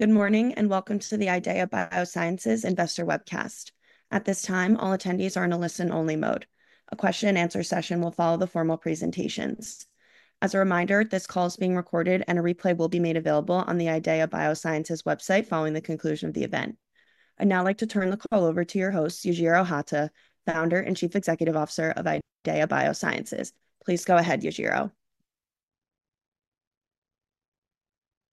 Good morning, and welcome to the IDEAYA Biosciences Investor Webcast. At this time, all attendees are in a listen-only mode. A question-and-answer session will follow the formal presentations. As a reminder, this call is being recorded, and a replay will be made available on the IDEAYA Biosciences website following the conclusion of the event. I'd now like to turn the call over to your host, Yujiro Hata, Founder and Chief Executive Officer of IDEAYA Biosciences. Please go ahead, Yujiro.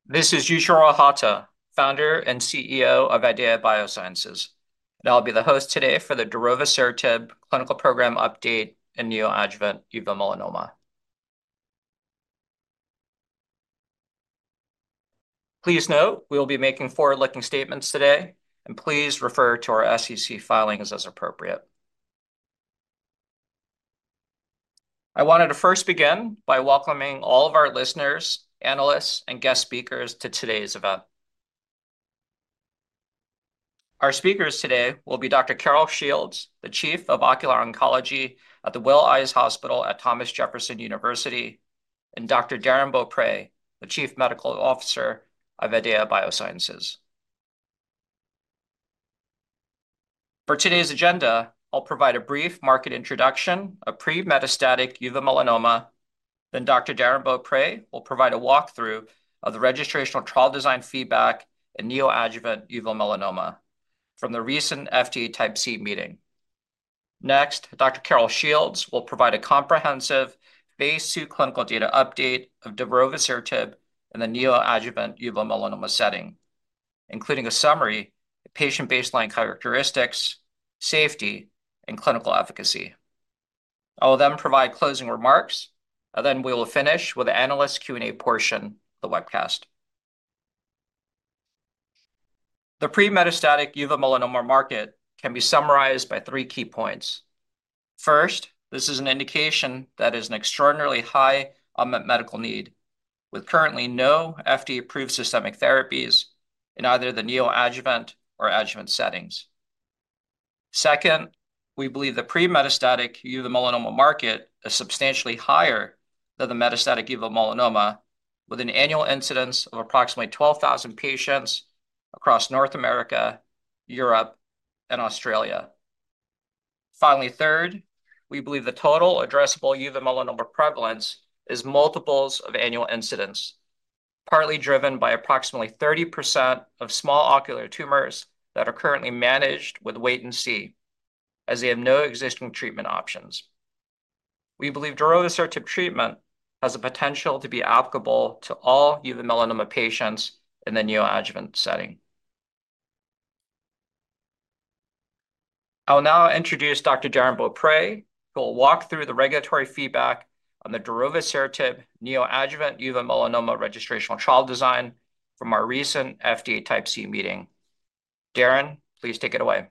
This is Yujiro Hata, Founder and CEO of IDEAYA Biosciences, and I'll be the host today for the darovasertib clinical program update in neoadjuvant uveal melanoma. Please note, we will be making forward-looking statements today, and please refer to our SEC filings as appropriate. I wanted to first begin by welcoming all of our listeners, analysts, and guest speakers to today's event. Our speakers today will be Dr. Carol Shields, the Chief of Ocular Oncology at the Wills Eye Hospital at Thomas Jefferson University, and Dr. Darrin Beaupre, the Chief Medical Officer of IDEAYA Biosciences. For today's agenda, I'll provide a brief market introduction of pre-metastatic uveal melanoma, then Dr. Darrin Beaupre will provide a walkthrough of the registrational trial design feedback in neoadjuvant uveal melanoma from the recent FDA Type C meeting. Next, Dr. Carol Shields will provide a comprehensive phase 2 clinical data update of darovasertib in the neoadjuvant uveal melanoma setting, including a summary of patient baseline characteristics, safety, and clinical efficacy. I will then provide closing remarks, and then we will finish with the analyst Q&A portion of the webcast. The pre-metastatic uveal melanoma market can be summarized by three key points. First, this is an indication that is an extraordinarily high unmet medical need, with currently no FDA-approved systemic therapies in either the neoadjuvant or adjuvant settings. Second, we believe the pre-metastatic uveal melanoma market is substantially higher than the metastatic uveal melanoma, with an annual incidence of approximately 12,000 patients across North America, Europe, and Australia. Finally, third, we believe the total addressable uveal melanoma prevalence is multiples of annual incidence, partly driven by approximately 30% of small ocular tumors that are currently managed with wait and see, as they have no existing treatment options. We believe darovasertib treatment has the potential to be applicable to all uveal melanoma patients in the neoadjuvant setting. I'll now introduce Dr. Darrin Beaupre, who will walk through the regulatory feedback on the darovasertib neoadjuvant uveal melanoma registrational trial design from our recent FDA Type C meeting. Darrin, please take it away.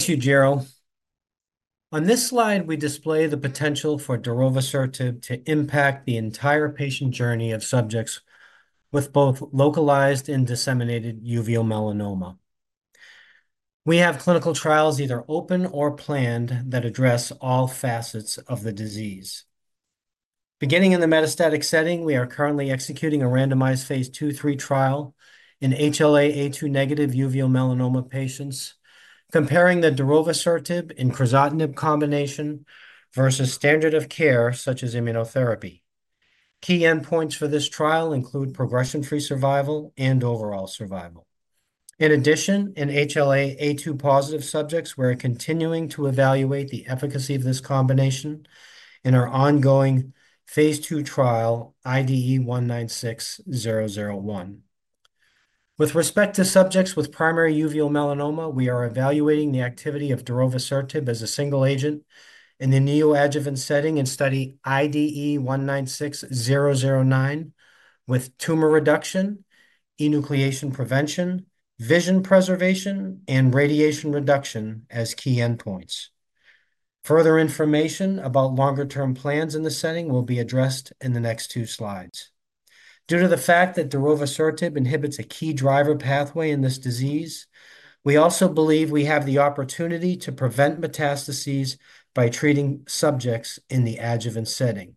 Thank you, Yujiro. On this slide, we display the potential for darovasertib to impact the entire patient journey of subjects with both localized and disseminated uveal melanoma. We have clinical trials either open or planned that address all facets of the disease. Beginning in the metastatic setting, we are currently executing a randomized phase 2/3 trial in HLA-A2 negative uveal melanoma patients, comparing the darovasertib and crizotinib combination versus standard of care, such as immunotherapy. Key endpoints for this trial include progression-free survival and overall survival. In addition, in HLA-A2 positive subjects, we're continuing to evaluate the efficacy of this combination in our ongoing phase 2 trial, IDE196-001. With respect to subjects with primary uveal melanoma, we are evaluating the activity of darovasertib as a single agent in the neoadjuvant setting in study IDE196-009, with tumor reduction, enucleation prevention, vision preservation, and radiation reduction as key endpoints. Further information about longer-term plans in this setting will be addressed in the next two slides. Due to the fact that darovasertib inhibits a key driver pathway in this disease, we also believe we have the opportunity to prevent metastases by treating subjects in the adjuvant setting.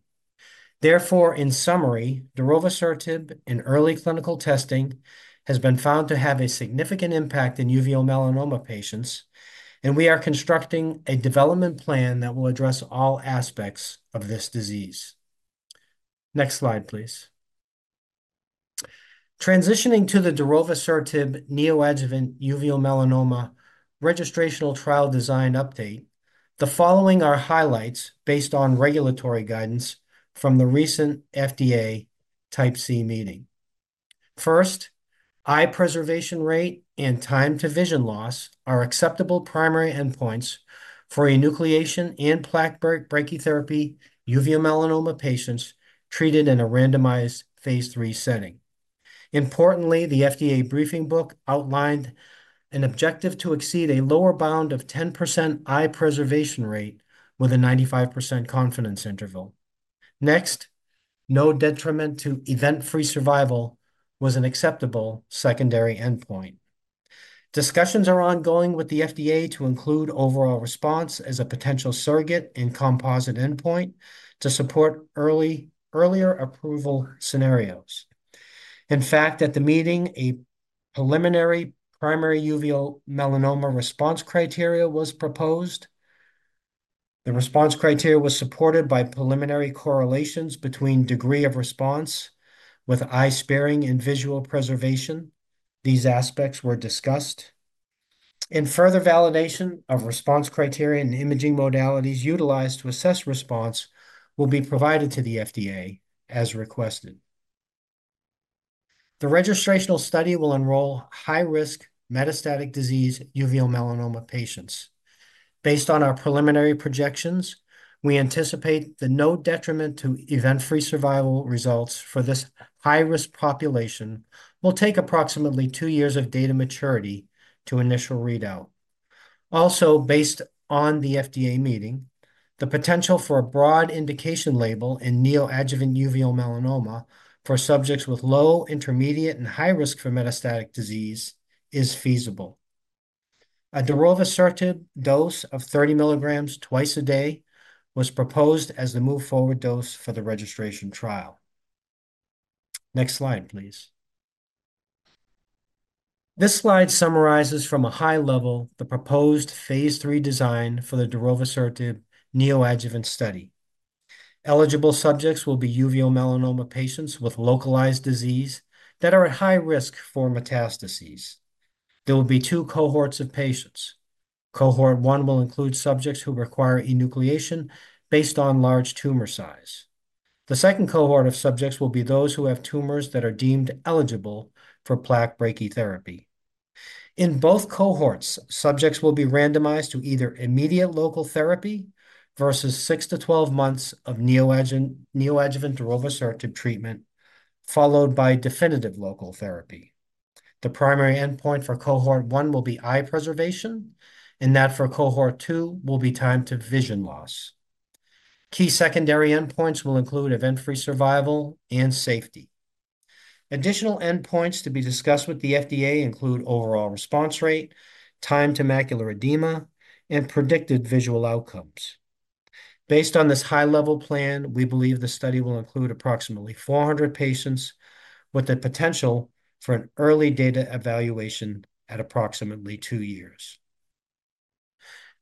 Therefore, in summary, darovasertib in early clinical testing has been found to have a significant impact in uveal melanoma patients, and we are constructing a development plan that will address all aspects of this disease. Next slide, please. Transitioning to the darovasertib neoadjuvant uveal melanoma registrational trial design update, the following are highlights based on regulatory guidance from the recent FDA Type C meeting. First, eye preservation rate and time to vision loss are acceptable primary endpoints for enucleation and plaque brachytherapy uveal melanoma patients treated in a randomized phase 3 setting. Importantly, the FDA briefing book outlined an objective to exceed a lower bound of 10% eye preservation rate with a 95% confidence interval. Next, no detriment to event-free survival was an acceptable secondary endpoint. Discussions are ongoing with the FDA to include overall response as a potential surrogate and composite endpoint to support earlier approval scenarios. In fact, at the meeting, a preliminary primary uveal melanoma response criteria was proposed. The response criteria was supported by preliminary correlations between degree of response with eye sparing and visual preservation. These aspects were discussed. Further validation of response criteria and imaging modalities utilized to assess response will be provided to the FDA as requested. The registrational study will enroll high-risk metastatic disease uveal melanoma patients. Based on our preliminary projections, we anticipate that no detriment to event-free survival results for this high-risk population will take approximately two years of data maturity to initial readout. Also, based on the FDA meeting, the potential for a broad indication label in neoadjuvant uveal melanoma for subjects with low, intermediate, and high risk for metastatic disease is feasible. A darovasertib dose of 30 milligrams twice a day was proposed as the move forward dose for the registration trial. Next slide, please. This slide summarizes from a high level the proposed phase 3 design for the darovasertib neoadjuvant study. Eligible subjects will be uveal melanoma patients with localized disease that are at high risk for metastases. There will be two cohorts of patients. Cohort one will include subjects who require enucleation based on large tumor size. The second cohort of subjects will be those who have tumors that are deemed eligible for plaque brachytherapy. In both cohorts, subjects will be randomized to either immediate local therapy versus six to twelve months of neoadjuvant, neoadjuvant darovasertib treatment, followed by definitive local therapy. The primary endpoint for cohort one will be eye preservation, and that for cohort two will be time to vision loss. Key secondary endpoints will include event-free survival and safety. Additional endpoints to be discussed with the FDA include overall response rate, time to macular edema, and predicted visual outcomes. Based on this high-level plan, we believe the study will include approximately four hundred patients, with the potential for an early data evaluation at approximately two years.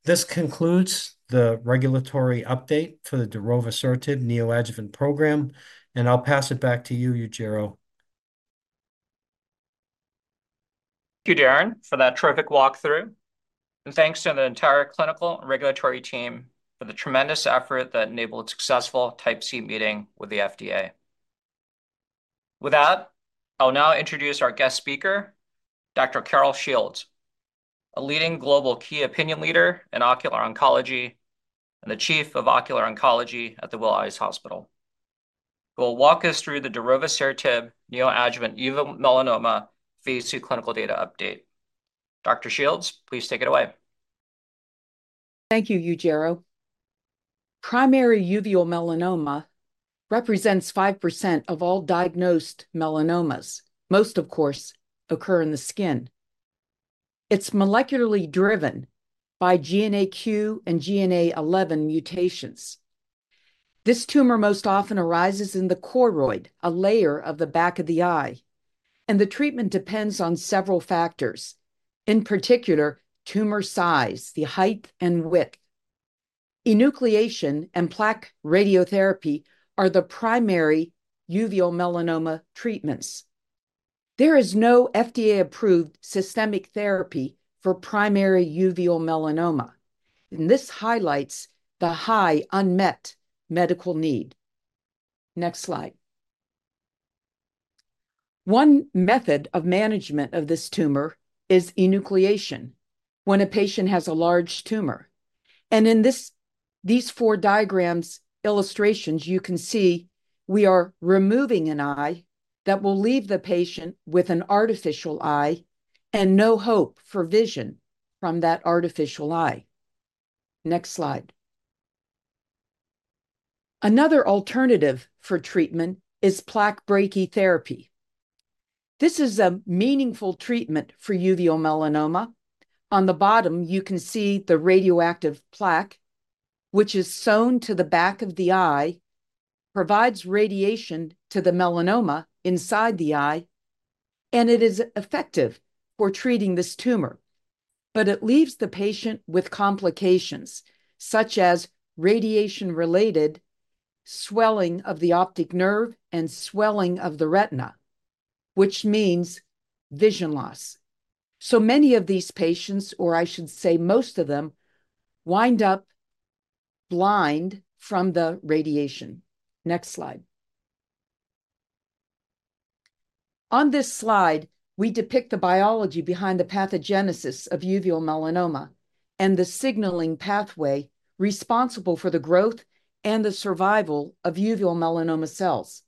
This concludes the regulatory update for the darovasertib neoadjuvant program, and I'll pass it back to you, Yujiro. Thank you, Darrin, for that terrific walkthrough, and thanks to the entire clinical and regulatory team for the tremendous effort that enabled successful Type C meeting with the FDA. With that, I'll now introduce our guest speaker, Dr. Carol Shields, a leading global key opinion leader in ocular oncology and the Chief of Ocular Oncology at the Wills Eye Hospital, who will walk us through the darovasertib neoadjuvant uveal melanoma phase 2 clinical data update. Dr. Shields, please take it away. Thank you, Yujiro. Primary uveal melanoma represents 5% of all diagnosed melanomas. Most, of course, occur in the skin. It's molecularly driven by GNAQ and GNA11 mutations. This tumor most often arises in the choroid, a layer of the back of the eye, and the treatment depends on several factors, in particular, tumor size, the height and width. Enucleation and plaque radiotherapy are the primary uveal melanoma treatments. There is no FDA-approved systemic therapy for primary uveal melanoma, and this highlights the high unmet medical need. Next slide. One method of management of this tumor is enucleation when a patient has a large tumor, and in this, these four diagrams illustrations, you can see we are removing an eye that will leave the patient with an artificial eye and no hope for vision from that artificial eye. Next slide. Another alternative for treatment is plaque brachytherapy. This is a meaningful treatment for uveal melanoma. On the bottom, you can see the radioactive plaque, which is sewn to the back of the eye, provides radiation to the melanoma inside the eye, and it is effective for treating this tumor. But it leaves the patient with complications, such as radiation-related swelling of the optic nerve and swelling of the retina, which means vision loss. So many of these patients, or I should say most of them, wind up blind from the radiation. Next slide. On this slide, we depict the biology behind the pathogenesis of uveal melanoma and the signaling pathway responsible for the growth and the survival of uveal melanoma cells.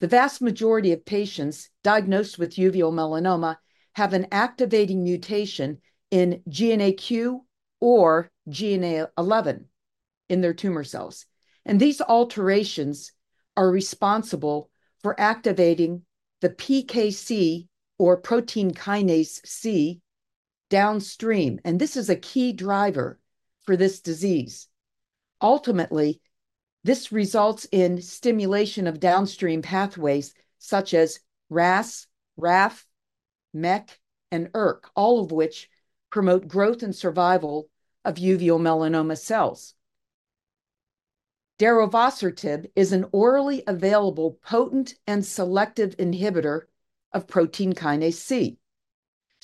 The vast majority of patients diagnosed with uveal melanoma have an activating mutation in GNAQ or GNA11... in their tumor cells. These alterations are responsible for activating the PKC, or protein kinase C, downstream, and this is a key driver for this disease. Ultimately, this results in stimulation of downstream pathways such as RAS, RAF, MEK, and ERK, all of which promote growth and survival of uveal melanoma cells. darovasertib is an orally available, potent and selective inhibitor of protein kinase C.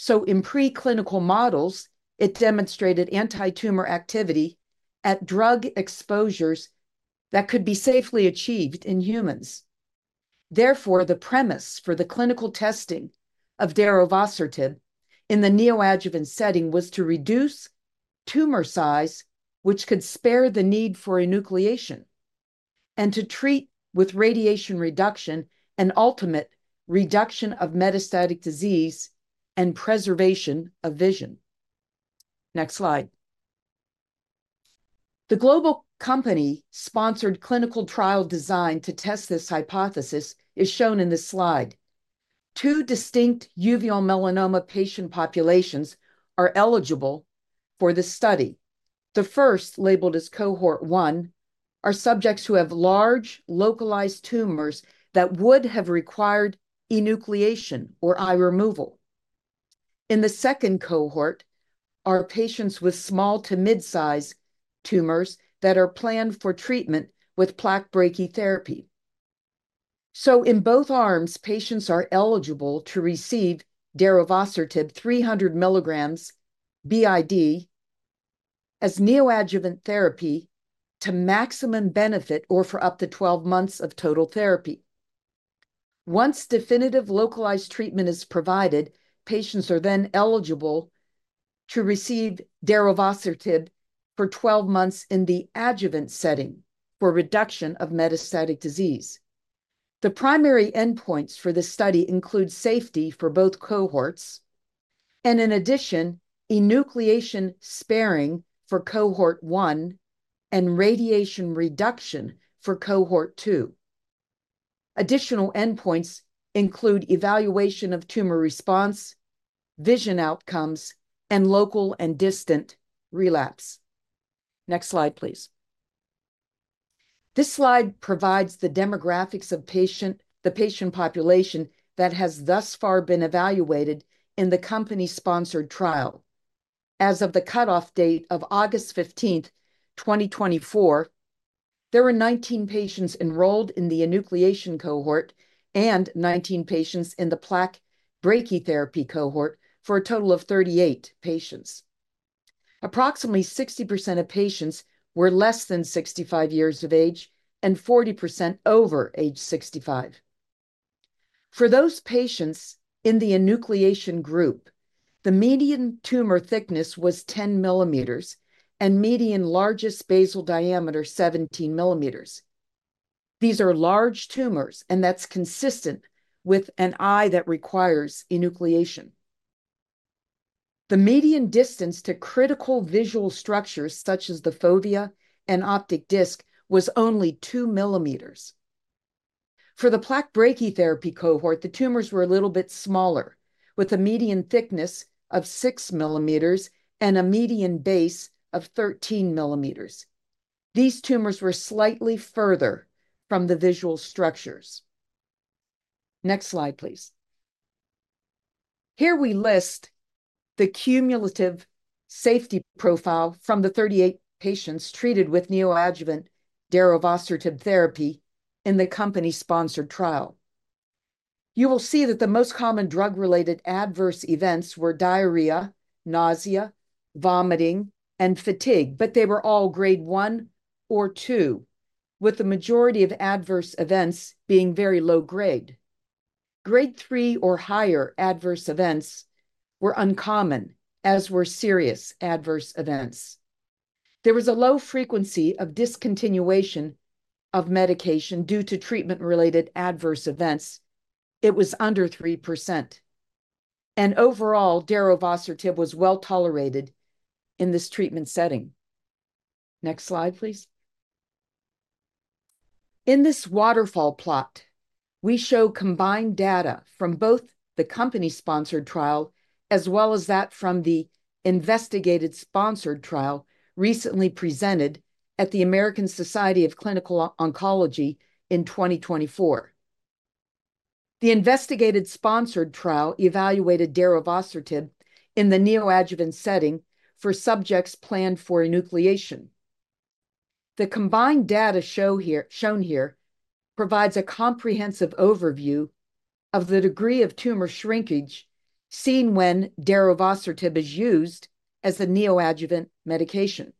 In preclinical models, it demonstrated anti-tumor activity at drug exposures that could be safely achieved in humans. Therefore, the premise for the clinical testing of darovasertib in the neoadjuvant setting was to reduce tumor size, which could spare the need for enucleation, and to treat with radiation reduction and ultimate reduction of metastatic disease and preservation of vision. Next slide. The global company-sponsored clinical trial design to test this hypothesis is shown in this slide. Two distinct uveal melanoma patient populations are eligible for this study. The first, labeled as Cohort 1, are subjects who have large, localized tumors that would have required enucleation or eye removal. In the second cohort, are patients with small to mid-size tumors that are planned for treatment with plaque brachytherapy. So in both arms, patients are eligible to receive darovasertib 300 milligrams BID as neoadjuvant therapy to maximum benefit, or for up to 12 months of total therapy. Once definitive localized treatment is provided, patients are then eligible to receive darovasertib for 12 months in the adjuvant setting for reduction of metastatic disease. The primary endpoints for this study include safety for both cohorts and, in addition, enucleation sparing for Cohort 1 and radiation reduction for Cohort 2. Additional endpoints include evaluation of tumor response, vision outcomes, and local and distant relapse. Next slide, please. This slide provides the demographics of patient, the patient population that has thus far been evaluated in the company-sponsored trial. As of the cutoff date of August 15th, 2024, there were 19 patients enrolled in the enucleation cohort and 19 patients in the plaque brachytherapy cohort, for a total of 38 patients. Approximately 60% of patients were less than 65 years of age, and 40% over age 65. For those patients in the enucleation group, the median tumor thickness was 10 millimeters, and median largest basal diameter, 17 millimeters. These are large tumors, and that's consistent with an eye that requires enucleation. The median distance to critical visual structures, such as the fovea and optic disc, was only 2 millimeters. For the plaque brachytherapy cohort, the tumors were a little bit smaller, with a median thickness of 6 millimeters and a median base of 13 millimeters. These tumors were slightly further from the visual structures. Next slide, please. Here we list the cumulative safety profile from the 38 patients treated with neoadjuvant darovasertib therapy in the company-sponsored trial. You will see that the most common drug-related adverse events were diarrhea, nausea, vomiting, and fatigue, but they were all Grade 1 or 2, with the majority of adverse events being very low grade. Grade 3 or higher adverse events were uncommon, as were serious adverse events. There was a low frequency of discontinuation of medication due to treatment-related adverse events. It was under 3%, and overall, darovasertib was well-tolerated in this treatment setting. Next slide, please. In this waterfall plot, we show combined data from both the company-sponsored trial, as well as that from the investigator-sponsored trial recently presented at the American Society of Clinical Oncology in 2024. The investigator-sponsored trial evaluated darovasertib in the neoadjuvant setting for subjects planned for enucleation. The combined data shown here provides a comprehensive overview of the degree of tumor shrinkage seen when darovasertib is used as a neoadjuvant medication.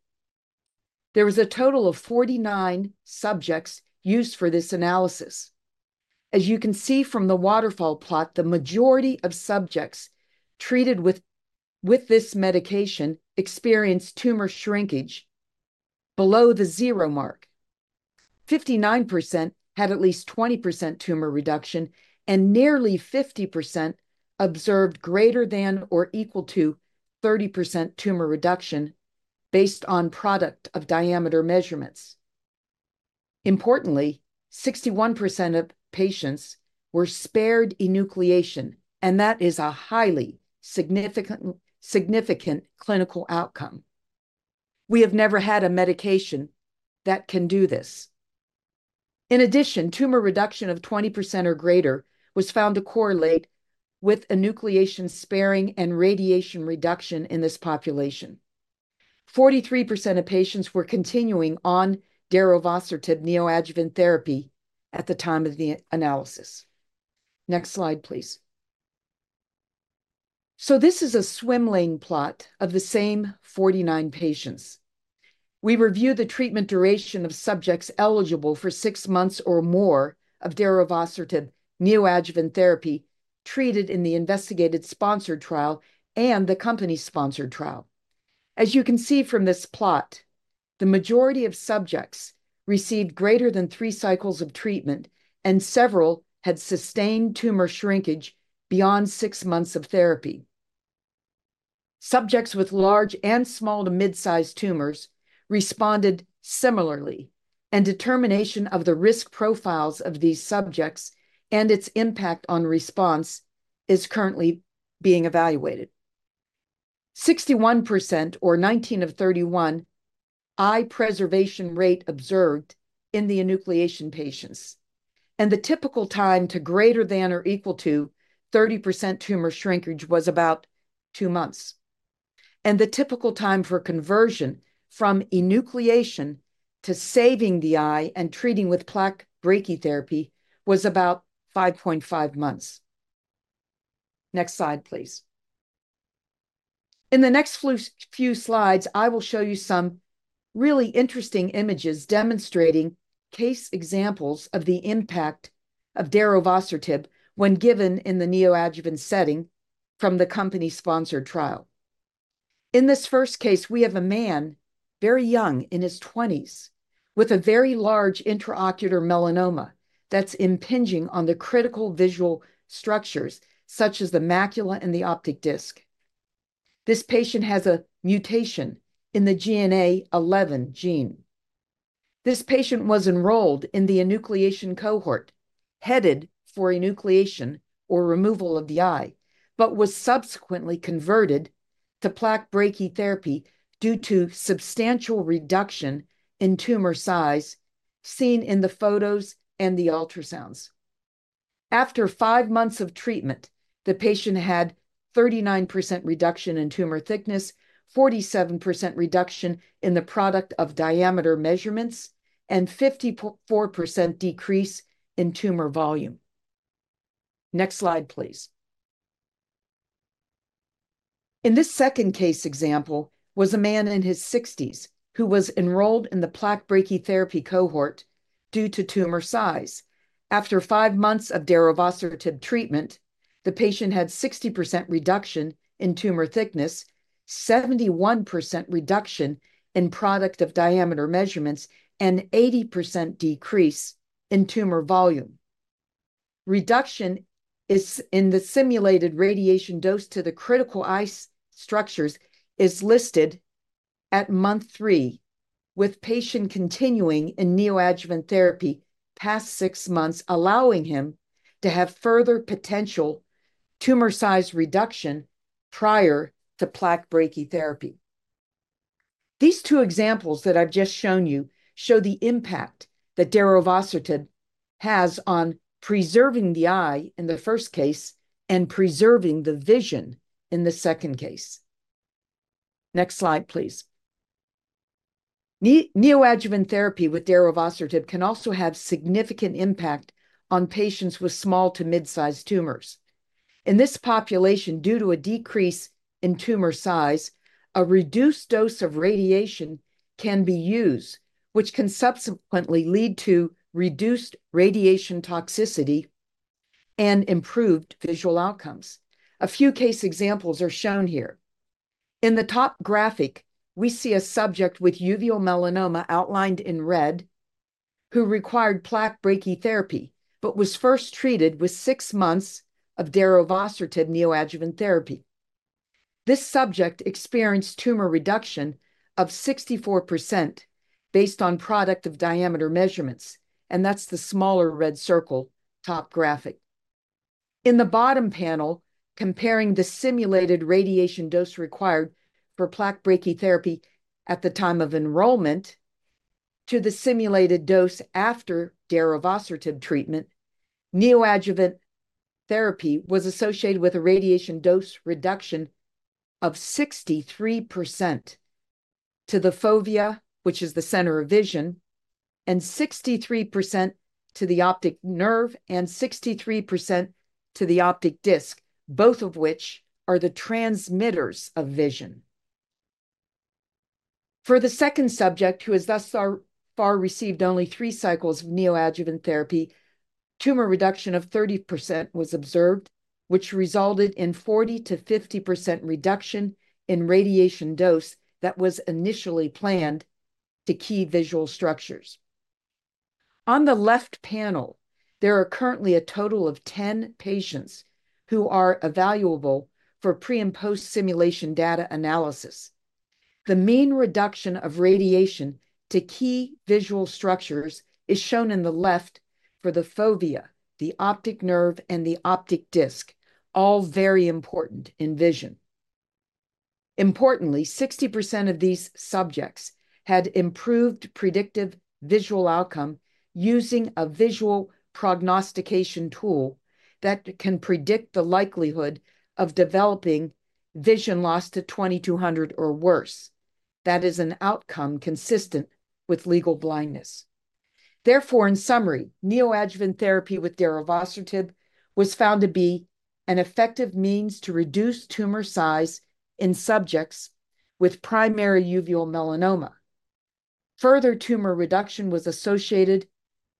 There was a total of forty-nine subjects used for this analysis. As you can see from the waterfall plot, the majority of subjects treated with this medication experienced tumor shrinkage below the zero mark. 59% had at least 20% tumor reduction, and nearly 50% observed greater than or equal to 30% tumor reduction based on product of diameter measurements. Importantly, 61% of patients were spared enucleation, and that is a highly significant clinical outcome. We have never had a medication that can do this. In addition, tumor reduction of 20% or greater was found to correlate with enucleation sparing and radiation reduction in this population. 43% of patients were continuing on darovasertib neoadjuvant therapy at the time of the analysis. Next slide, please, so this is a swim lane plot of the same 49 patients. We reviewed the treatment duration of subjects eligible for six months or more of darovasertib neoadjuvant therapy treated in the investigator-sponsored trial and the company-sponsored trial. As you can see from this plot, the majority of subjects received greater than three cycles of treatment, and several had sustained tumor shrinkage beyond six months of therapy. Subjects with large and small to mid-sized tumors responded similarly, and determination of the risk profiles of these subjects and its impact on response is currently being evaluated. 61% or 19 of 31 eye preservation rate observed in the enucleation patients, and the typical time to greater than or equal to 30% tumor shrinkage was about two months, and the typical time for conversion from enucleation to saving the eye and treating with plaque brachytherapy was about 5.5 months. Next slide, please. In the next few slides, I will show you some really interesting images demonstrating case examples of the impact of darovasertib when given in the neoadjuvant setting from the company-sponsored trial. In this first case, we have a man, very young, in his twenties, with a very large intraocular melanoma that's impinging on the critical visual structures, such as the macula and the optic disc. This patient has a mutation in the GNA11 gene. This patient was enrolled in the enucleation cohort, headed for enucleation or removal of the eye, but was subsequently converted to plaque brachytherapy due to substantial reduction in tumor size, seen in the photos and the ultrasounds. After five months of treatment, the patient had 39% reduction in tumor thickness, 47% reduction in the product of diameter measurements, and 54% decrease in tumor volume. Next slide, please. In this second case example, was a man in his sixties who was enrolled in the plaque brachytherapy cohort due to tumor size. After five months of darovasertib treatment, the patient had 60% reduction in tumor thickness, 71% reduction in product of diameter measurements, and 80% decrease in tumor volume. Reduction is... In the simulated radiation dose to the critical eye structures is listed at month three, with patient continuing in neoadjuvant therapy past six months, allowing him to have further potential tumor size reduction prior to plaque brachytherapy. These two examples that I've just shown you show the impact that darovasertib has on preserving the eye in the first case and preserving the vision in the second case. Next slide, please. Neoadjuvant therapy with darovasertib can also have significant impact on patients with small to mid-sized tumors. In this population, due to a decrease in tumor size, a reduced dose of radiation can be used, which can subsequently lead to reduced radiation toxicity and improved visual outcomes. A few case examples are shown here. In the top graphic, we see a subject with uveal melanoma outlined in red, who required plaque brachytherapy but was first treated with six months of darovasertib neoadjuvant therapy. This subject experienced tumor reduction of 64% based on product of diameter measurements, and that's the smaller red circle, top graphic. In the bottom panel, comparing the simulated radiation dose required for plaque brachytherapy at the time of enrollment to the simulated dose after darovasertib treatment, neoadjuvant therapy was associated with a radiation dose reduction of 63% to the fovea, which is the center of vision, and 63% to the optic nerve and 63% to the optic disc, both of which are the transmitters of vision. For the second subject, who has thus far received only three cycles of neoadjuvant therapy. Tumor reduction of 30% was observed, which resulted in 40%-50% reduction in radiation dose that was initially planned to key visual structures. On the left panel, there are currently a total of 10 patients who are evaluable for pre- and post-simulation data analysis. The mean reduction of radiation to key visual structures is shown in the left for the fovea, the optic nerve, and the optic disc, all very important in vision. Importantly, 60% of these subjects had improved predictive visual outcome using a visual prognostication tool that can predict the likelihood of developing vision loss to 20/200 or worse. That is an outcome consistent with legal blindness. Therefore, in summary, neoadjuvant therapy with darovasertib was found to be an effective means to reduce tumor size in subjects with primary uveal melanoma. Further tumor reduction was associated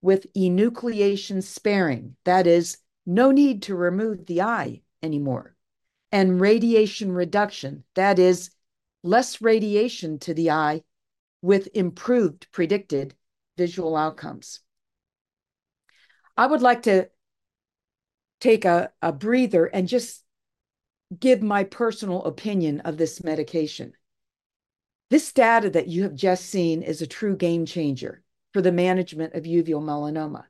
with enucleation sparing, that is, no need to remove the eye anymore, and radiation reduction, that is, less radiation to the eye with improved predicted visual outcomes. I would like to take a breather and just give my personal opinion of this medication. This data that you have just seen is a true game changer for the management of uveal melanoma.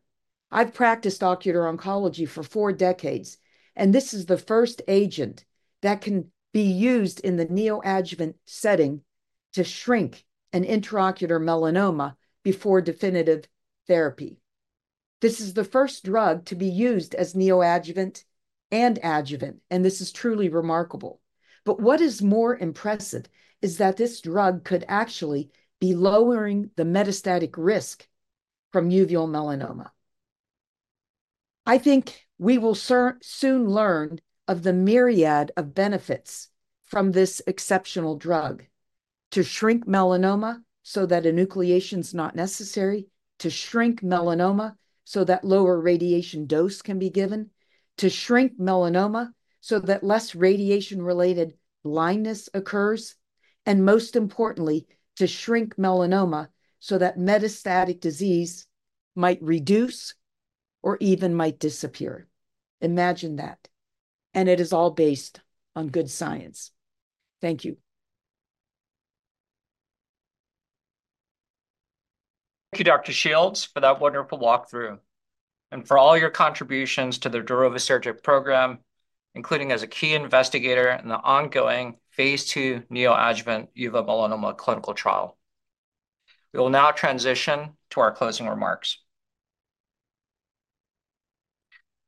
I've practiced ocular oncology for four decades, and this is the first agent that can be used in the neoadjuvant setting to shrink an intraocular melanoma before definitive therapy. This is the first drug to be used as neoadjuvant and adjuvant, and this is truly remarkable. But what is more impressive is that this drug could actually be lowering the metastatic risk from uveal melanoma. I think we will soon learn of the myriad of benefits from this exceptional drug to shrink melanoma so that enucleation's not necessary, to shrink melanoma so that lower radiation dose can be given, to shrink melanoma so that less radiation-related blindness occurs, and most importantly, to shrink melanoma so that metastatic disease might reduce or even might disappear. Imagine that, and it is all based on good science. Thank you. Thank you, Dr. Shields, for that wonderful walkthrough and for all your contributions to the darovasertib program, including as a key investigator in the ongoing phase II neoadjuvant uveal melanoma clinical trial. We will now transition to our closing remarks.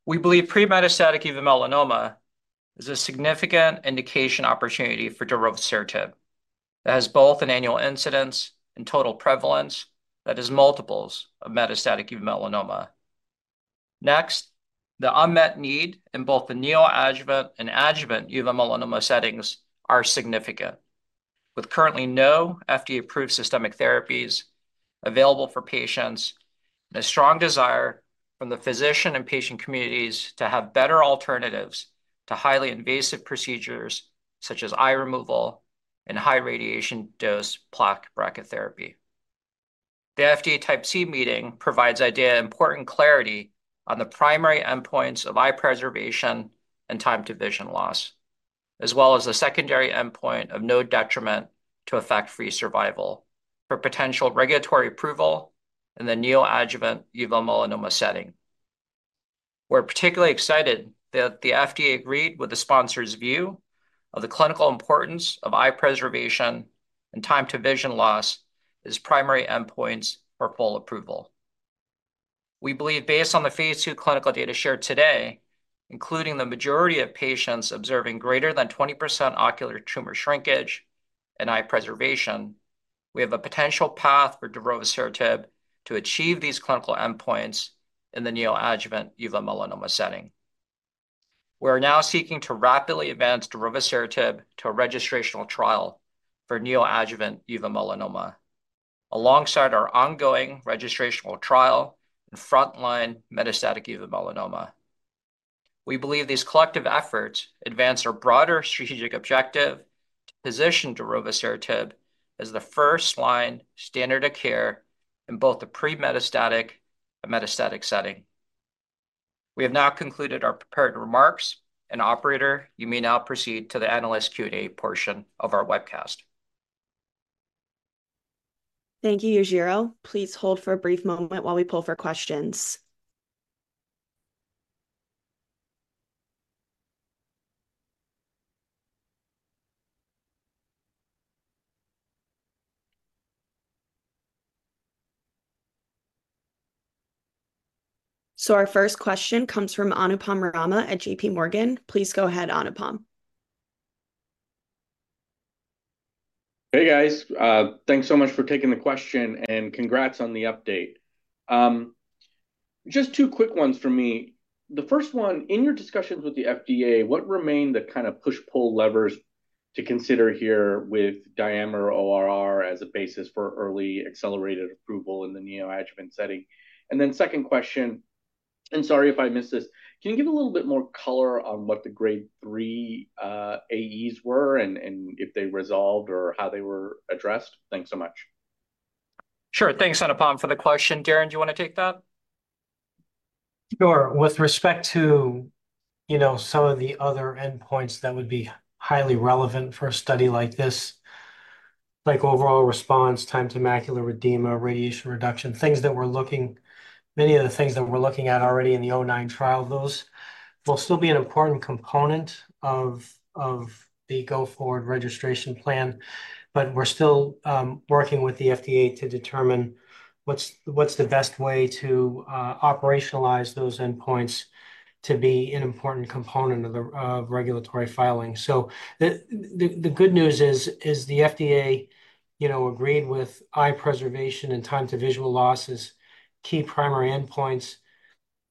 We believe pre-metastatic uveal melanoma is a significant indication opportunity for darovasertib. It has both an annual incidence and total prevalence that is multiples of metastatic uveal melanoma. Next, the unmet need in both the neoadjuvant and adjuvant uveal melanoma settings are significant, with currently no FDA-approved systemic therapies available for patients and a strong desire from the physician and patient communities to have better alternatives to highly invasive procedures such as eye removal and high radiation dose plaque brachytherapy. The FDA Type C meeting provides ideal important clarity on the primary endpoints of eye preservation and time to vision loss, as well as the secondary endpoint of no detriment to event-free survival for potential regulatory approval in the neoadjuvant uveal melanoma setting. We're particularly excited that the FDA agreed with the sponsor's view of the clinical importance of eye preservation and time to vision loss as primary endpoints for full approval. We believe, based on the phase II clinical data shared today, including the majority of patients observing greater than 20% ocular tumor shrinkage and eye preservation, we have a potential path for darovasertib to achieve these clinical endpoints in the neoadjuvant uveal melanoma setting. We're now seeking to rapidly advance darovasertib to a registrational trial for neoadjuvant uveal melanoma, alongside our ongoing registrational trial in frontline metastatic uveal melanoma. We believe these collective efforts advance our broader strategic objective to position darovasertib as the first-line standard of care in both the pre-metastatic and metastatic setting. We have now concluded our prepared remarks. And operator, you may now proceed to the analyst Q&A portion of our webcast. Thank you, Yujiro. Please hold for a brief moment while we pull for questions. Our first question comes from Anupam Rama at JP Morgan. Please go ahead, Anupam. Hey, guys. Thanks so much for taking the question, and congrats on the update. Just two quick ones from me. The first one, in your discussions with the FDA, what remained the kind of push-pull levers to consider here with diameter ORR as a basis for early accelerated approval in the neoadjuvant setting? And then second question, and sorry if I missed this, can you give a little bit more color on what the grade three AEs were, and if they resolved or how they were addressed? Thanks so much. Sure. Thanks, Anupam, for the question. Darrin, do you want to take that? Sure. With respect to, you know, some of the other endpoints that would be highly relevant for a study like this, like overall response, time to macular edema, radiation reduction, things that we're looking, many of the things that we're looking at already in the ongoing trial, those will still be an important component of the go-forward registration plan. But we're still working with the FDA to determine what's the best way to operationalize those endpoints to be an important component of the regulatory filing. So the good news is the FDA, you know, agreed with eye preservation and time to vision loss as key primary endpoints.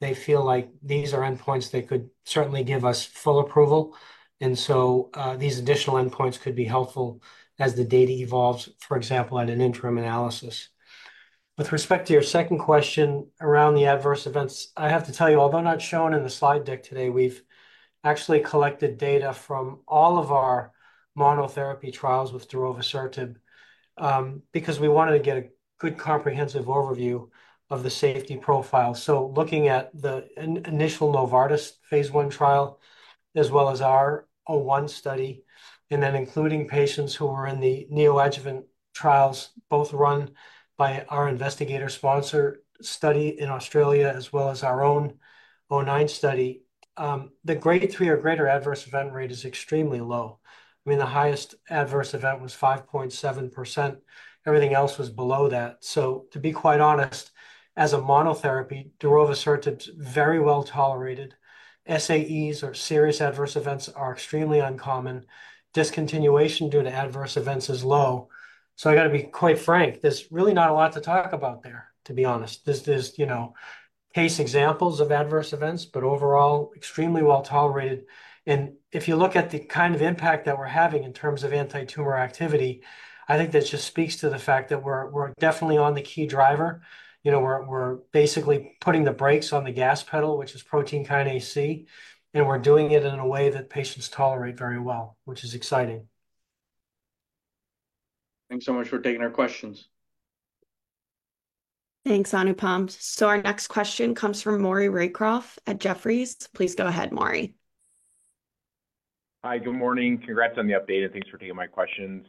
They feel like these are endpoints that could certainly give us full approval. And so these additional endpoints could be helpful as the data evolves, for example, at an interim analysis. With respect to your second question around the adverse events, I have to tell you, although not shown in the slide deck today, we've actually collected data from all of our monotherapy trials with darovasertib, because we wanted to get a good comprehensive overview of the safety profile. So looking at the initial Novartis phase 1 trial, as well as our 01 study, and then including patients who were in the neoadjuvant trials, both run by our investigator-sponsored study in Australia, as well as our own 009 study, the grade three or greater adverse event rate is extremely low. I mean, the highest adverse event was 5.7%. Everything else was below that. So to be quite honest, as a monotherapy, darovasertib's very well tolerated. SAEs, or Serious Adverse Events, are extremely uncommon. Discontinuation due to adverse events is low. So I got to be quite frank, there's really not a lot to talk about there, to be honest. There's just, you know, case examples of adverse events, but overall, extremely well tolerated. And if you look at the kind of impact that we're having in terms of antitumor activity, I think that just speaks to the fact that we're definitely on the key driver. You know, we're basically putting the brakes on the gas pedal, which is protein kinase C, and we're doing it in a way that patients tolerate very well, which is exciting. Thanks so much for taking our questions. Thanks, Anupam. So our next question comes from Maury Raycroft at Jefferies. Please go ahead, Maury. Hi, good morning. Congrats on the update, and thanks for taking my questions.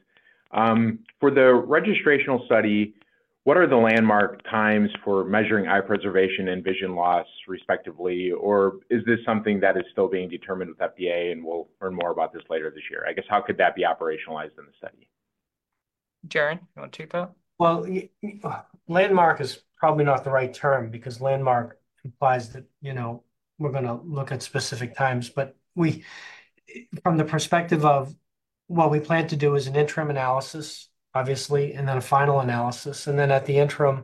For the registrational study, what are the landmark times for measuring eye preservation and vision loss, respectively? Or is this something that is still being determined with FDA, and we'll learn more about this later this year? I guess, how could that be operationalized in the study? Darrin, you want to take that? Landmark is probably not the right term because landmark implies that, you know, we're gonna look at specific times. But from the perspective of what we plan to do is an interim analysis, obviously, and then a final analysis, and then at the interim,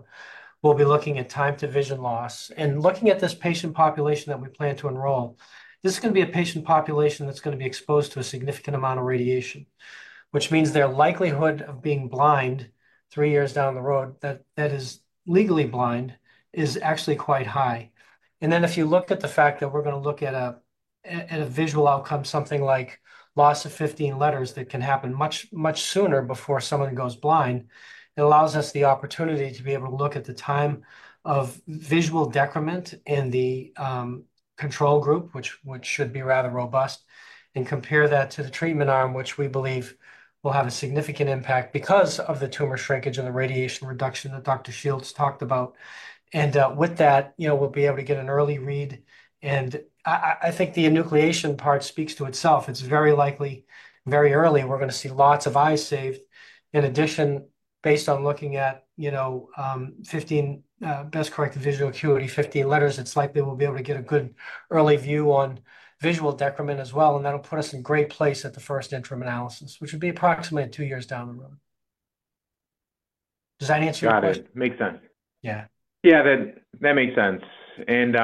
we'll be looking at time to vision loss. Looking at this patient population that we plan to enroll, this is gonna be a patient population that's gonna be exposed to a significant amount of radiation, which means their likelihood of being blind three years down the road, that is legally blind, is actually quite high. Then if you look at the fact that we're gonna look at a visual outcome, something like loss of 15 letters, that can happen much sooner before someone goes blind. It allows us the opportunity to be able to look at the time of visual decrement in the control group, which should be rather robust, and compare that to the treatment arm, which we believe will have a significant impact because of the tumor shrinkage and the radiation reduction that Dr. Shields talked about. With that, you know, we'll be able to get an early read, and I think the enucleation part speaks to itself. It's very likely, very early, we're gonna see lots of eyes saved. In addition, based on looking at, you know, fifteen best-corrected visual acuity, fifteen letters, it's likely we'll be able to get a good early view on visual decrement as well, and that'll put us in great place at the first interim analysis, which would be approximately two years down the road. Does that answer your question? Got it. Makes sense. Yeah. Yeah, that makes sense. And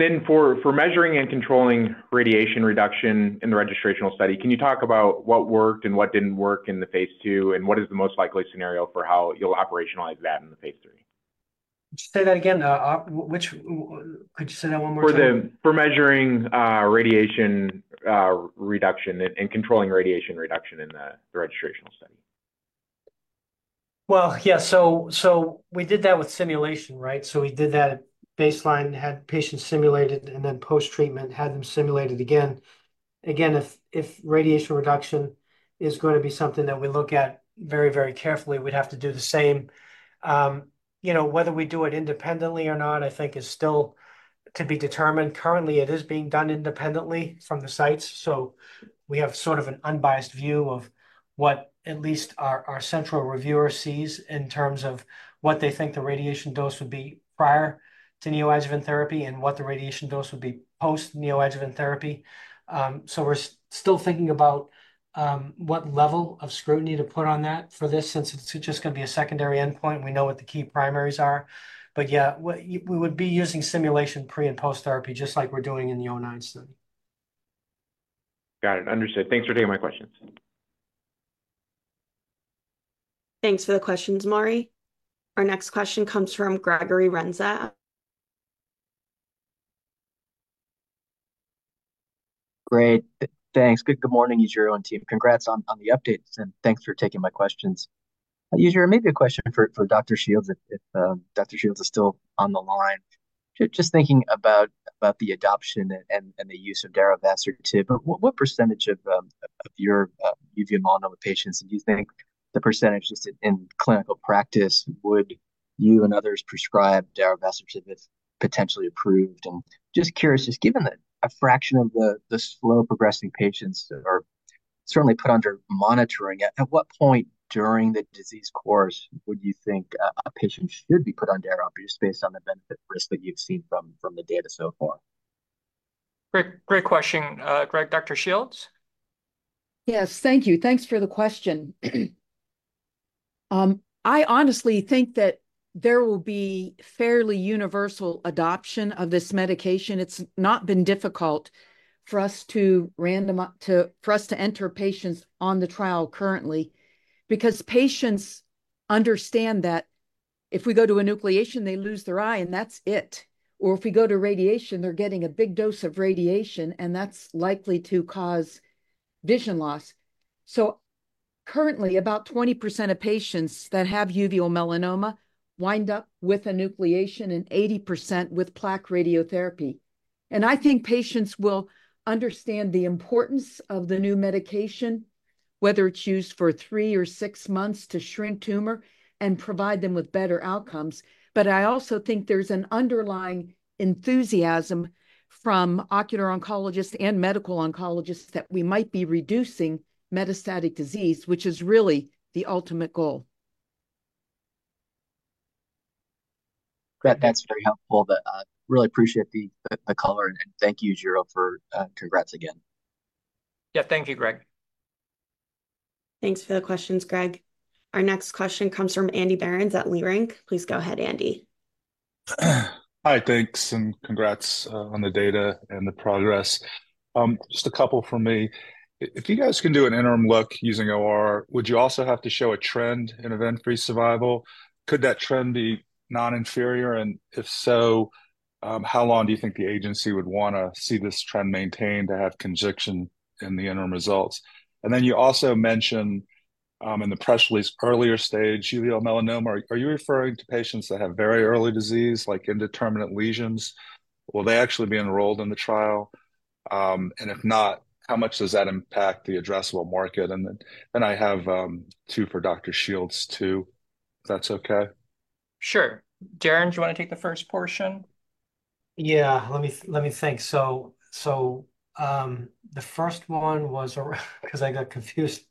then for measuring and controlling radiation reduction in the registrational study, can you talk about what worked and what didn't work in the phase two, and what is the most likely scenario for how you'll operationalize that in the phase three? Just say that again. Could you say that one more time? For measuring radiation reduction and controlling radiation reduction in the registrational study. Yeah, so we did that with simulation, right? So we did that at baseline, had patients simulated, and then posttreatment, had them simulated again. Again, if radiation reduction is gonna be something that we look at very, very carefully, we'd have to do the same. You know, whether we do it independently or not, I think is still to be determined. Currently, it is being done independently from the sites, so we have sort of an unbiased view of what at least our central reviewer sees in terms of what they think the radiation dose would be prior to neoadjuvant therapy and what the radiation dose would be post-neoadjuvant therapy. So we're still thinking about what level of scrutiny to put on that for this, since it's just gonna be a secondary endpoint. We know what the key primaries are. Yeah, we would be using simulation pre- and post-therapy, just like we're doing in the 009 study. Got it. Understood. Thanks for taking my questions.... Thanks for the questions, Maury. Our next question comes from Gregory Renza. Great, thanks. Good morning, Yujiro and team. Congrats on the updates, and thanks for taking my questions. Yujiro, maybe a question for Dr. Shields, if Dr. Shields is still on the line. Just thinking about the adoption and the use of darovasertib, what percentage of your uveal melanoma patients do you think the percentage just in clinical practice would you and others prescribe darovasertib if potentially approved? And just curious, just given that a fraction of the slow-progressing patients are certainly put under monitoring, at what point during the disease course would you think a patient should be put on daro, just based on the benefit risk that you've seen from the data so far? Great, great question, Greig. Dr. Shields? Yes, thank you. Thanks for the question. I honestly think that there will be fairly universal adoption of this medication. It's not been difficult for us to enter patients on the trial currently, because patients understand that if we go to enucleation, they lose their eye, and that's it. Or if we go to radiation, they're getting a big dose of radiation, and that's likely to cause vision loss. So currently, about 20% of patients that have uveal melanoma wind up with enucleation, and 80% with plaque radiotherapy. And I think patients will understand the importance of the new medication, whether it's used for three or six months to shrink tumor and provide them with better outcomes. But I also think there's an underlying enthusiasm from ocular oncologists and medical oncologists that we might be reducing metastatic disease, which is really the ultimate goal. Great, that's very helpful. But, really appreciate the color, and thank you, Yujiro, for... Congrats again. Yeah. Thank you, Greig. Thanks for the questions, Greig. Our next question comes from Andy Berens at Leerink. Please go ahead, Andy. Hi, thanks, and congrats on the data and the progress. Just a couple from me. If you guys can do an interim look using OR, would you also have to show a trend in event-free survival? Could that trend be non-inferior, and if so, how long do you think the agency would wanna see this trend maintained to have conviction in the interim results? And then you also mentioned in the press release, earlier stage uveal melanoma. Are you referring to patients that have very early disease, like indeterminate lesions? Will they actually be enrolled in the trial? And if not, how much does that impact the addressable market? And then I have two for Dr. Shields, too, if that's okay. Sure. Darrin, do you wanna take the first portion? Yeah, let me think. So, the first one was because I got confused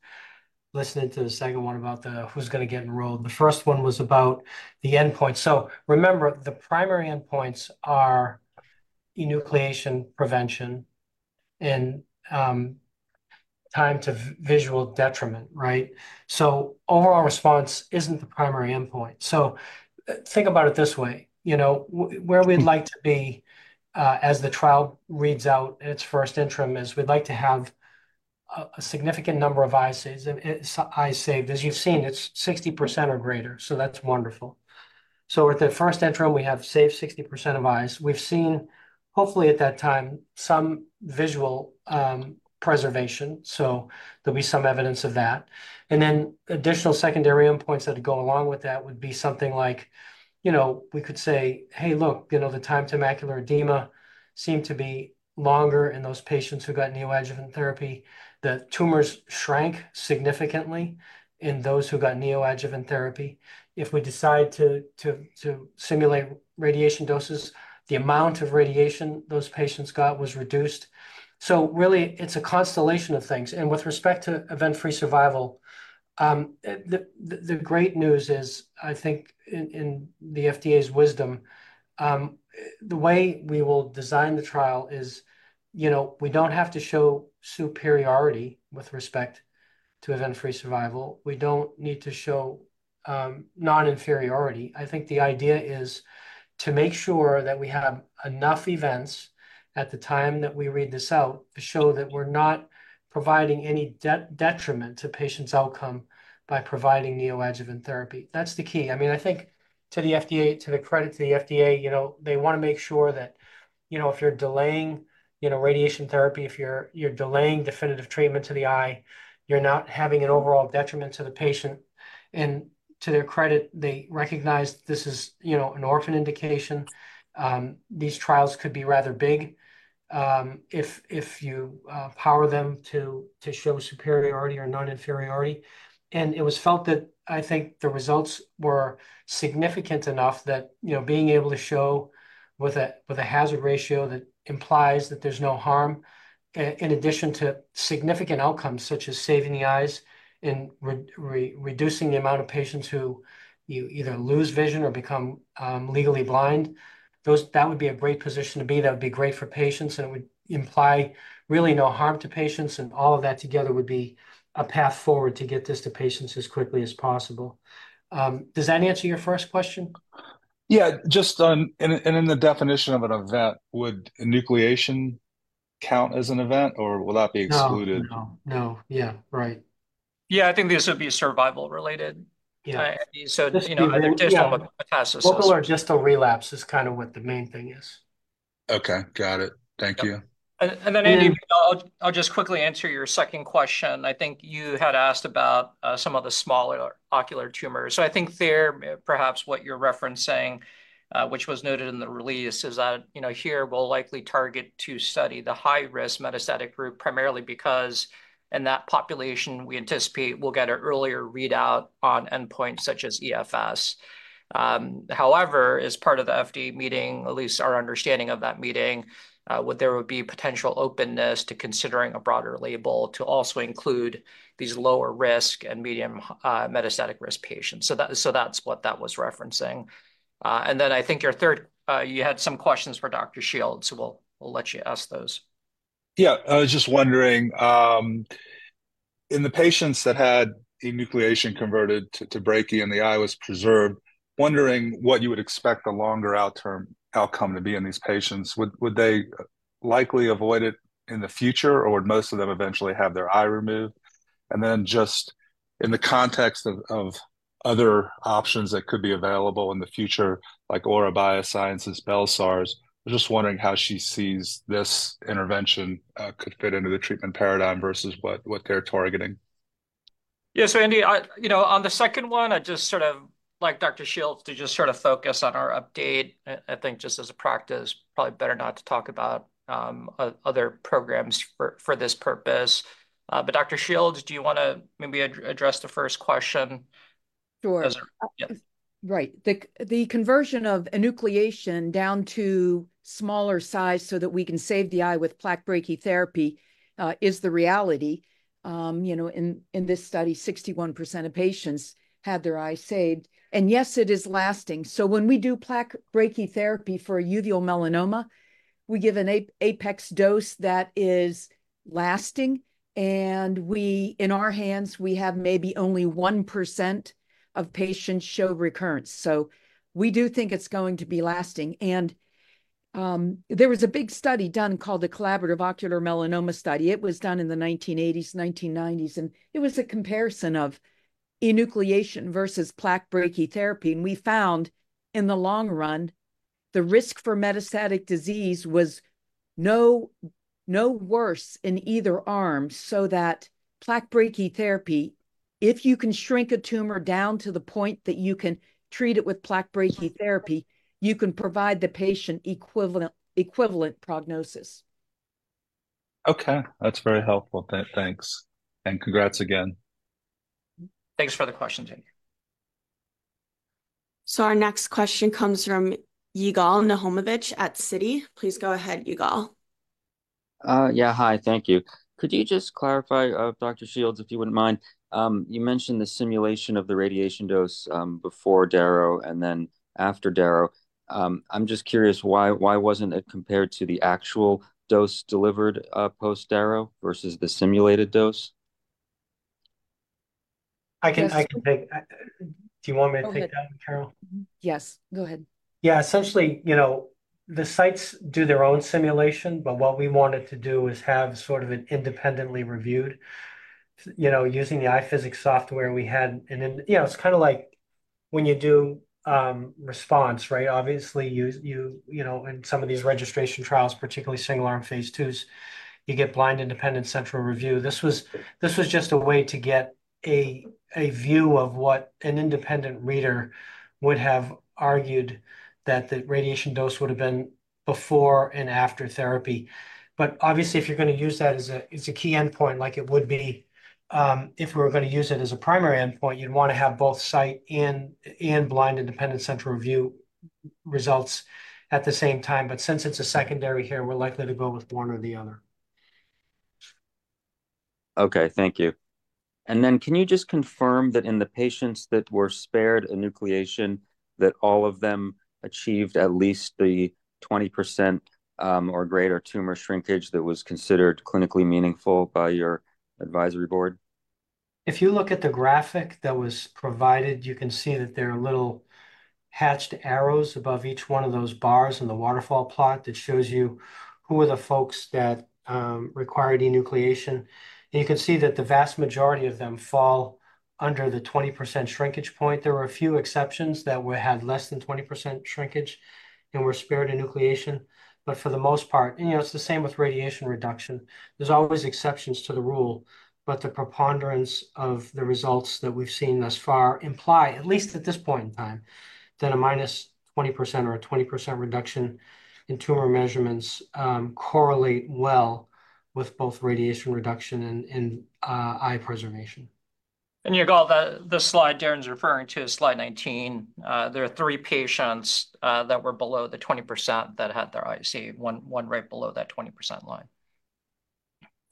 listening to the second one about who's gonna get enrolled. The first one was about the endpoint. So remember, the primary endpoints are enucleation prevention and time to visual detriment, right? So overall response isn't the primary endpoint. So think about it this way, you know, where we'd like to be as the trial reads out its first interim is we'd like to have a significant number of eyes saved, eyes saved. As you've seen, it's 60% or greater, so that's wonderful. So at the first interim, we have saved 60% of eyes. We've seen, hopefully at that time, some visual preservation, so there'll be some evidence of that. And then additional secondary endpoints that go along with that would be something like, you know, we could say, "Hey, look, you know, the time to macular edema seemed to be longer in those patients who got neoadjuvant therapy. The tumors shrank significantly in those who got neoadjuvant therapy. If we decide to simulate radiation doses, the amount of radiation those patients got was reduced." So really, it's a constellation of things. And with respect to event-free survival, the great news is, I think, in the FDA's wisdom, the way we will design the trial is, you know, we don't have to show superiority with respect to event-free survival. We don't need to show non-inferiority. I think the idea is to make sure that we have enough events at the time that we read this out to show that we're not providing any detriment to patients' outcome by providing neoadjuvant therapy. That's the key. I mean, I think, to the credit of the FDA, you know, they wanna make sure that, you know, if you're delaying, you know, radiation therapy, if you're delaying definitive treatment to the eye, you're not having an overall detriment to the patient, and to their credit, they recognize this is, you know, an orphan indication, and these trials could be rather big, if you power them to show superiority or non-inferiority. It was felt that, I think, the results were significant enough that, you know, being able to show with a hazard ratio that implies that there's no harm, in addition to significant outcomes, such as saving the eyes and reducing the amount of patients who you either lose vision or become legally blind, that would be a great position to be in. That would be great for patients, and it would imply really no harm to patients, and all of that together would be a path forward to get this to patients as quickly as possible. Does that answer your first question? Yeah, just on the definition of an event, would enucleation count as an event, or will that be excluded? No, no, no. Yeah, right. Yeah, I think this would be survival related. Yeah. So, you know, additional metastasis- Local or distal relapse is kind of what the main thing is. Okay. Got it. Thank you. Andy, I'll just quickly answer your second question. I think you had asked about some of the smaller ocular tumors. So I think there, perhaps what you're referencing, which was noted in the release, is that, you know, here we'll likely target to study the high-risk metastatic group, primarily because in that population, we anticipate we'll get an earlier readout on endpoints such as EFS. However, as part of the FDA meeting, at least our understanding of that meeting, what there would be potential openness to considering a broader label to also include these lower risk and medium metastatic risk patients. So that's what that was referencing. Then I think your third, you had some questions for Dr. Shields, so we'll let you ask those. Yeah. I was just wondering, in the patients that had enucleation converted to brachy and the eye was preserved, wondering what you would expect the longer-term outcome to be in these patients? Would they likely avoid it in the future, or would most of them eventually have their eye removed? And then just in the context of other options that could be available in the future, like Aura Biosciences' bel-sar, I was just wondering how she sees this intervention could fit into the treatment paradigm versus what they're targeting. Yeah. So, Andy, you know, on the second one, I'd just sort of like Dr. Shields to just sort of focus on our update. I think just as a practice, probably better not to talk about other programs for this purpose. But Dr. Shields, do you wanna maybe address the first question? Sure. Yes. Right. The conversion of enucleation down to smaller size so that we can save the eye with plaque brachytherapy is the reality. You know, in this study, 61% of patients had their eye saved, and yes, it is lasting. So when we do plaque brachytherapy for uveal melanoma, we give an apex dose that is lasting, and in our hands, we have maybe only 1% of patients show recurrence. So we do think it's going to be lasting, and there was a big study done called the Collaborative Ocular Melanoma Study. It was done in the nineteen eighties, nineteen nineties, and it was a comparison of enucleation versus plaque brachytherapy. We found, in the long run, the risk for metastatic disease was no worse in either arm, so that plaque brachytherapy, if you can shrink a tumor down to the point that you can treat it with plaque brachytherapy, you can provide the patient equivalent prognosis. Okay. That's very helpful. Thanks, and congrats again. Thanks for the question, Andy. So our next question comes from Yigal Nochomovitz at Citi. Please go ahead, Yigal. Yeah, hi, thank you. Could you just clarify, Dr. Shields, if you wouldn't mind, you mentioned the simulation of the radiation dose before daro and then after daro. I'm just curious why it wasn't compared to the actual dose delivered post-daro versus the simulated dose? I can- Yes. I can take... Do you want me to take that, Carol? Go ahead. Mm-hmm. Yes, go ahead. Yeah, essentially, you know, the sites do their own simulation, but what we wanted to do is have sort of it independently reviewed, you know, using the Eye Physics software we had. And then, you know, it's kind of like when you do response, right? Obviously, you know, in some of these registration trials, particularly single-arm phase 2s, you get blind, independent central review. This was just a way to get a view of what an independent reader would have argued that the radiation dose would have been before and after therapy. But obviously, if you're gonna use that as a key endpoint, like it would be, if we were gonna use it as a primary endpoint, you'd wanna have both site and blind independent central review results at the same time. But since it's a secondary here, we're likely to go with one or the other. Okay, thank you. And then can you just confirm that in the patients that were spared enucleation, that all of them achieved at least the 20%, or greater tumor shrinkage that was considered clinically meaningful by your advisory board? If you look at the graphic that was provided, you can see that there are little hatched arrows above each one of those bars in the waterfall plot that shows you who are the folks that require enucleation. You can see that the vast majority of them fall under the 20% shrinkage point. There were a few exceptions that we had less than 20% shrinkage and were spared enucleation, but for the most part. You know, it's the same with radiation reduction. There's always exceptions to the rule, but the preponderance of the results that we've seen thus far imply, at least at this point in time, that a minus 20% or a 20% reduction in tumor measurements correlate well with both radiation reduction and eye preservation. Yigal, the slide Darrin's referring to, slide 19, there are three patients that were below the 20% that had their eye. See one, one right below that 20% line.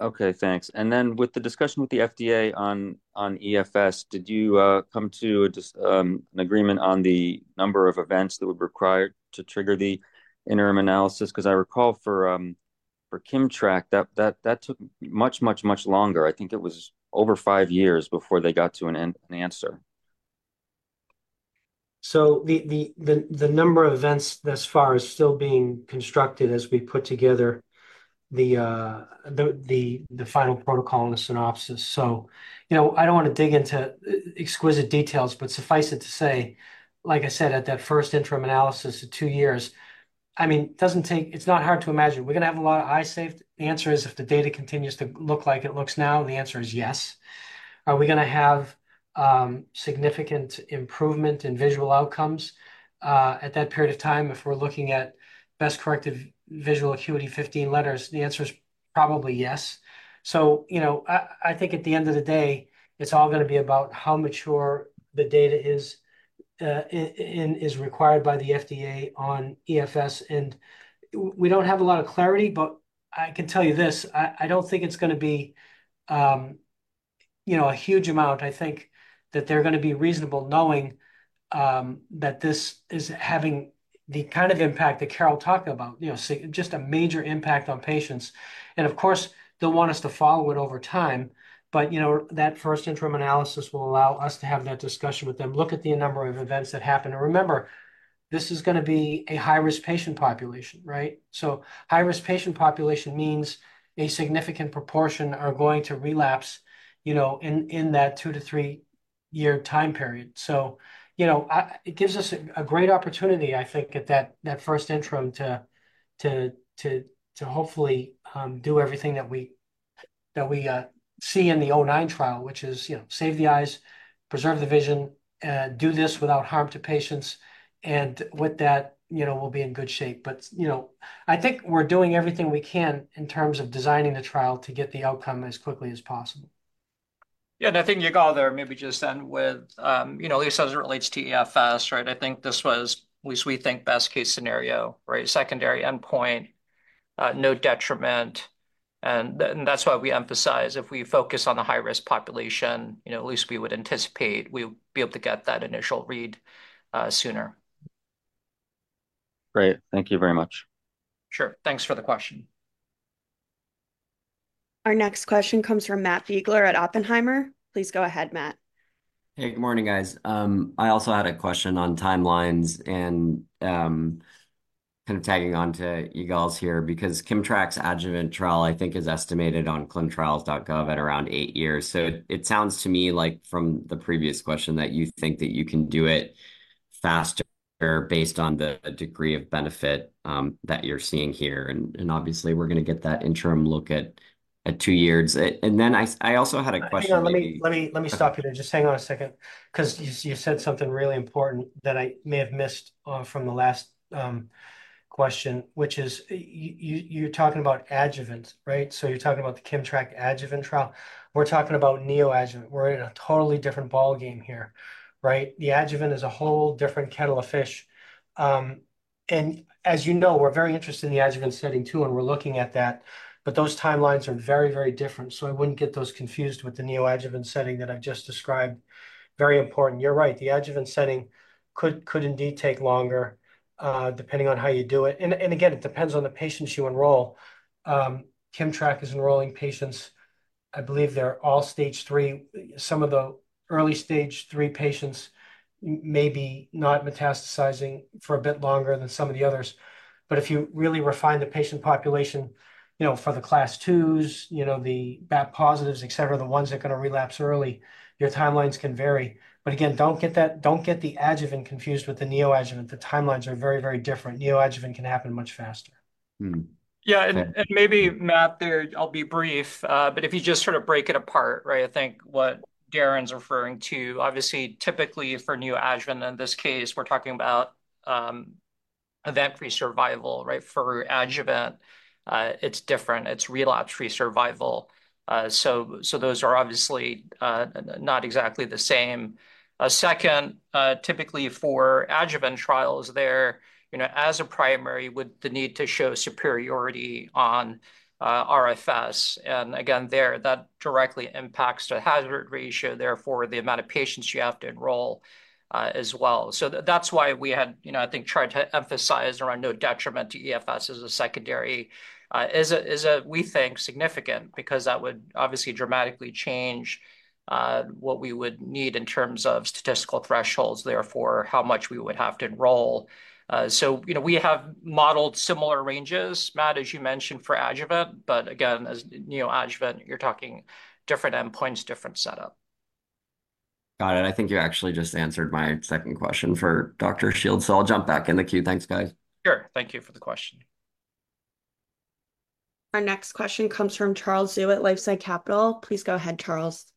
Okay, thanks. And then with the discussion with the FDA on EFS, did you come to an agreement on the number of events that would require to trigger the interim analysis? Because I recall for Kimmtrak, that took much longer. I think it was over five years before they got to an answer. So the number of events thus far is still being constructed as we put together the final protocol and the synopsis. So, you know, I don't wanna dig into exquisite details, but suffice it to say, like I said, at that first interim analysis of two years, I mean, doesn't take. It's not hard to imagine. We're gonna have a lot of eyes saved? The answer is, if the data continues to look like it looks now, the answer is yes. Are we gonna have significant improvement in visual outcomes at that period of time if we're looking at best corrective visual acuity, 15 letters? The answer is probably yes. You know, I think at the end of the day, it's all gonna be about how mature the data is, and is required by the FDA on EFS, and we don't have a lot of clarity, but I can tell you this: I don't think it's gonna be, you know, a huge amount. I think that they're gonna be reasonable, knowing that this is having the kind of impact that Carol talked about, you know, just a major impact on patients. And, of course, they'll want us to follow it over time, but, you know, that first interim analysis will allow us to have that discussion with them, look at the number of events that happened. And remember, this is gonna be a high-risk patient population, right? So high-risk patient population means a significant proportion are going to relapse, you know, in that two- to three-year time period. So, you know, It gives us a great opportunity, I think, at that first interim to hopefully do everything that we see in the 009 trial, which is, you know, save the eyes, preserve the vision, do this without harm to patients, and with that, you know, we'll be in good shape. But, you know, I think we're doing everything we can in terms of designing the trial to get the outcome as quickly as possible. Yeah, and I think you go there, maybe just end with, you know, at least as it relates to EFS, right? I think this was, at least we think, best-case scenario, right? Secondary endpoint, no detriment, and that's why we emphasize if we focus on the high-risk population, you know, at least we would anticipate we'd be able to get that initial read, sooner. Great. Thank you very much. Sure. Thanks for the question. Our next question comes from Matt Biegler at Oppenheimer. Please go ahead, Matt. Hey, good morning, guys. I also had a question on timelines, and kind of tagging on to you guys here, because Kimmtrak's adjuvant trial, I think, is estimated on ClinicalTrials.gov at around eight years. So it sounds to me like from the previous question, that you think that you can do it faster based on the degree of benefit that you're seeing here, and obviously, we're gonna get that interim look at two years. And then I also had a question- Hang on. Let me stop you there. Just hang on a second, 'cause you said something really important that I may have missed from the last question, which is, you're talking about adjuvant, right? So you're talking about the Kimmtrak adjuvant trial. We're talking about neoadjuvant. We're in a totally different ballgame here, right? The adjuvant is a whole different kettle of fish. And as you know, we're very interested in the adjuvant setting, too, and we're looking at that, but those timelines are very, very different, so I wouldn't get those confused with the neoadjuvant setting that I've just described. Very important. You're right, the adjuvant setting could indeed take longer depending on how you do it. And again, it depends on the patients you enroll. Kimmtrak is enrolling patients, I believe they're all stage three. Some of the early stage three patients may be not metastasizing for a bit longer than some of the others. But if you really refine the patient population, you know, for the Class 2s, you know, the BAP1 positives, et cetera, the ones that are gonna relapse early, your timelines can vary. But again, don't get the adjuvant confused with the neoadjuvant. The timelines are very, very different. Neoadjuvant can happen much faster. Mm-hmm. Yeah, and maybe, Matt, there, I'll be brief, but if you just sort of break it apart, right? I think what Darrin's referring to, obviously, typically for neoadjuvant, in this case, we're talking about event-free survival, right? For adjuvant, it's different. It's relapse-free survival. So those are obviously not exactly the same. Second, typically for adjuvant trials there, you know, as a primary, would the need to show superiority on RFS, and again, there, that directly impacts the hazard ratio, therefore, the amount of patients you have to enroll, as well. So that's why we had, you know, I think, tried to emphasize around no detriment to EFS as a secondary is, we think, significant, because that would obviously dramatically change what we would need in terms of statistical thresholds, therefore, how much we would have to enroll. You know, we have modeled similar ranges, Matt, as you mentioned, for adjuvant, but again, as neoadjuvant, you're talking different endpoints, different setup. Got it. I think you actually just answered my second question for Dr. Shields, so I'll jump back in the queue. Thanks, guys. Sure. Thank you for the question. Our next question comes from Charles Zhu at LifeSci Capital. Please go ahead, Charles.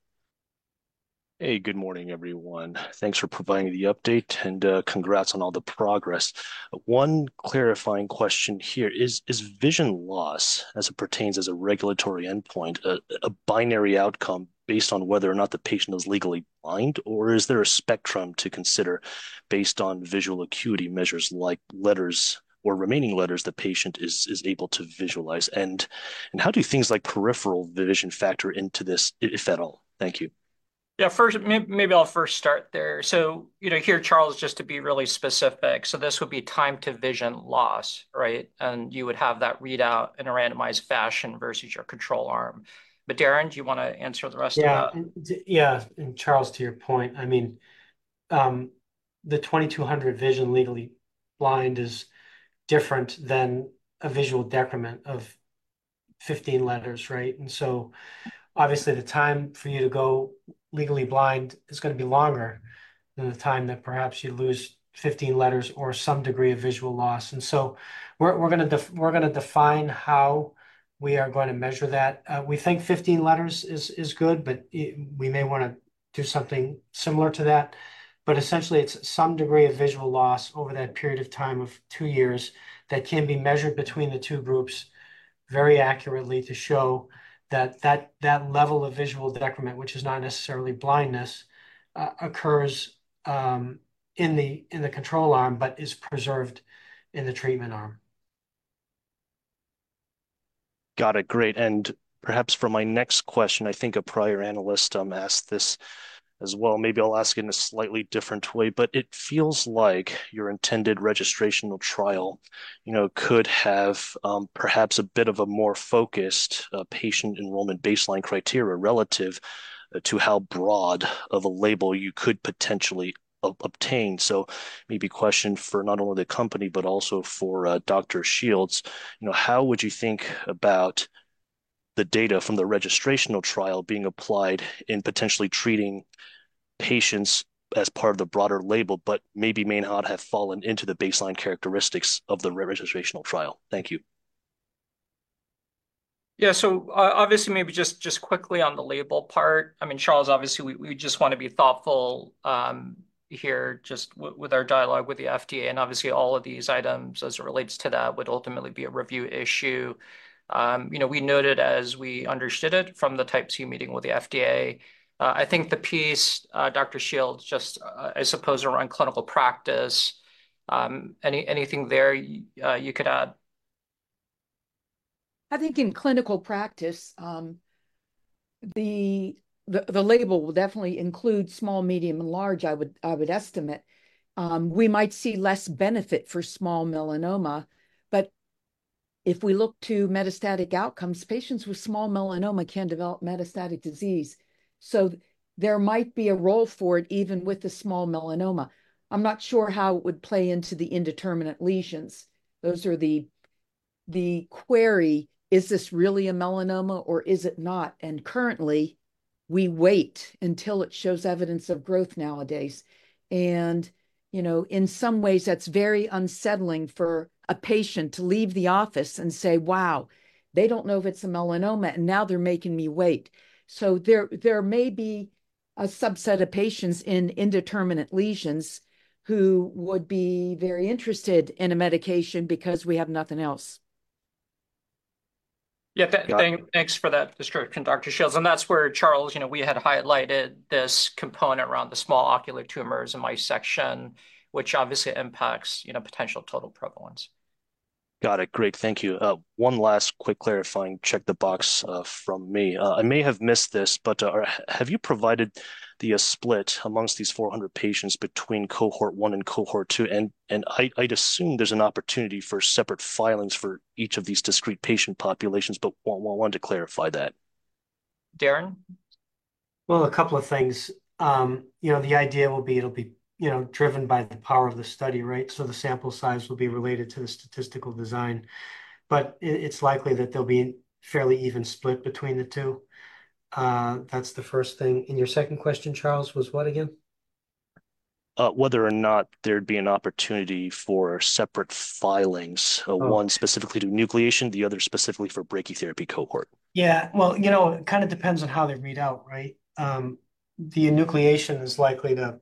Hey, good morning, everyone. Thanks for providing the update, and congrats on all the progress. One clarifying question here: is vision loss, as it pertains as a regulatory endpoint, a binary outcome based on whether or not the patient is legally blind, or is there a spectrum to consider based on visual acuity measures, like letters or remaining letters the patient is able to visualize? And how do things like peripheral vision factor into this, if at all? Thank you. Yeah, first, maybe I'll first start there. So, you know, here, Charles, just to be really specific, so this would be time to vision loss, right? And you would have that readout in a randomized fashion versus your control arm. But, Darrin, do you wanna answer the rest of that? Yeah. Yeah, and Charles, to your point, I mean, the 20/200 vision legally blind is different than a visual decrement of fifteen letters, right? And so obviously, the time for you to go legally blind is gonna be longer than the time that perhaps you lose fifteen letters or some degree of visual loss. And so we're gonna define how we are going to measure that. We think fifteen letters is good, but we may wanna do something similar to that. But essentially, it's some degree of visual loss over that period of time of two years that can be measured between the two groups very accurately to show that level of visual decrement, which is not necessarily blindness, occurs in the control arm, but is preserved in the treatment arm. Got it. Great. And perhaps for my next question, I think a prior analyst asked this as well. Maybe I'll ask it in a slightly different way, but it feels like your intended registrational trial, you know, could have perhaps a bit of a more focused patient enrollment baseline criteria relative to how broad of a label you could potentially obtain. So maybe question for not only the company, but also for Dr. Shields. You know, how would you think about the data from the registrational trial being applied in potentially treating patients as part of the broader label, but maybe may not have fallen into the baseline characteristics of the registrational trial? Thank you. Yeah. So obviously, maybe just quickly on the label part, I mean, Charles, obviously, we just want to be thoughtful here just with our dialogue with the FDA, and obviously, all of these items as it relates to that would ultimately be a review issue. You know, we noted, as we understood it from the Type C meeting with the FDA, I think the piece, Dr. Shields, just I suppose around clinical practice, anything there you could add? I think in clinical practice, the label will definitely include small, medium, and large, I would estimate. We might see less benefit for small melanoma, but if we look to metastatic outcomes, patients with small melanoma can develop metastatic disease, so there might be a role for it, even with the small melanoma. I'm not sure how it would play into the indeterminate lesions. Those are the query: Is this really a melanoma, or is it not? Currently, we wait until it shows evidence of growth nowadays, and, you know, in some ways, that's very unsettling for a patient to leave the office and say, "Wow, they don't know if it's a melanoma, and now they're making me wait." So there may be a subset of patients in indeterminate lesions who would be very interested in a medication because we have nothing else. Yeah. Tha- Got it. Thanks for that description, Dr. Shields, and that's where, Charles, you know, we had highlighted this component around the small ocular tumors in my section, which obviously impacts, you know, potential total prevalence. Got it. Great. Thank you. One last quick clarifying check-the-box from me. I may have missed this, but have you provided the split amongst these 400 patients between Cohort One and Cohort Two? And I'd assume there's an opportunity for separate filings for each of these discrete patient populations, but want to clarify that. Darren? A couple of things. You know, the idea will be it'll be, you know, driven by the power of the study, right? So the sample size will be related to the statistical design, but it's likely that there'll be a fairly even split between the two. That's the first thing. And your second question, Charles, was what again? whether or not there'd be an opportunity for separate filings- Oh.... one specifically to enucleation, the other specifically for brachytherapy cohort. Yeah. Well, you know, it kind of depends on how they read out, right? The enucleation is likely to,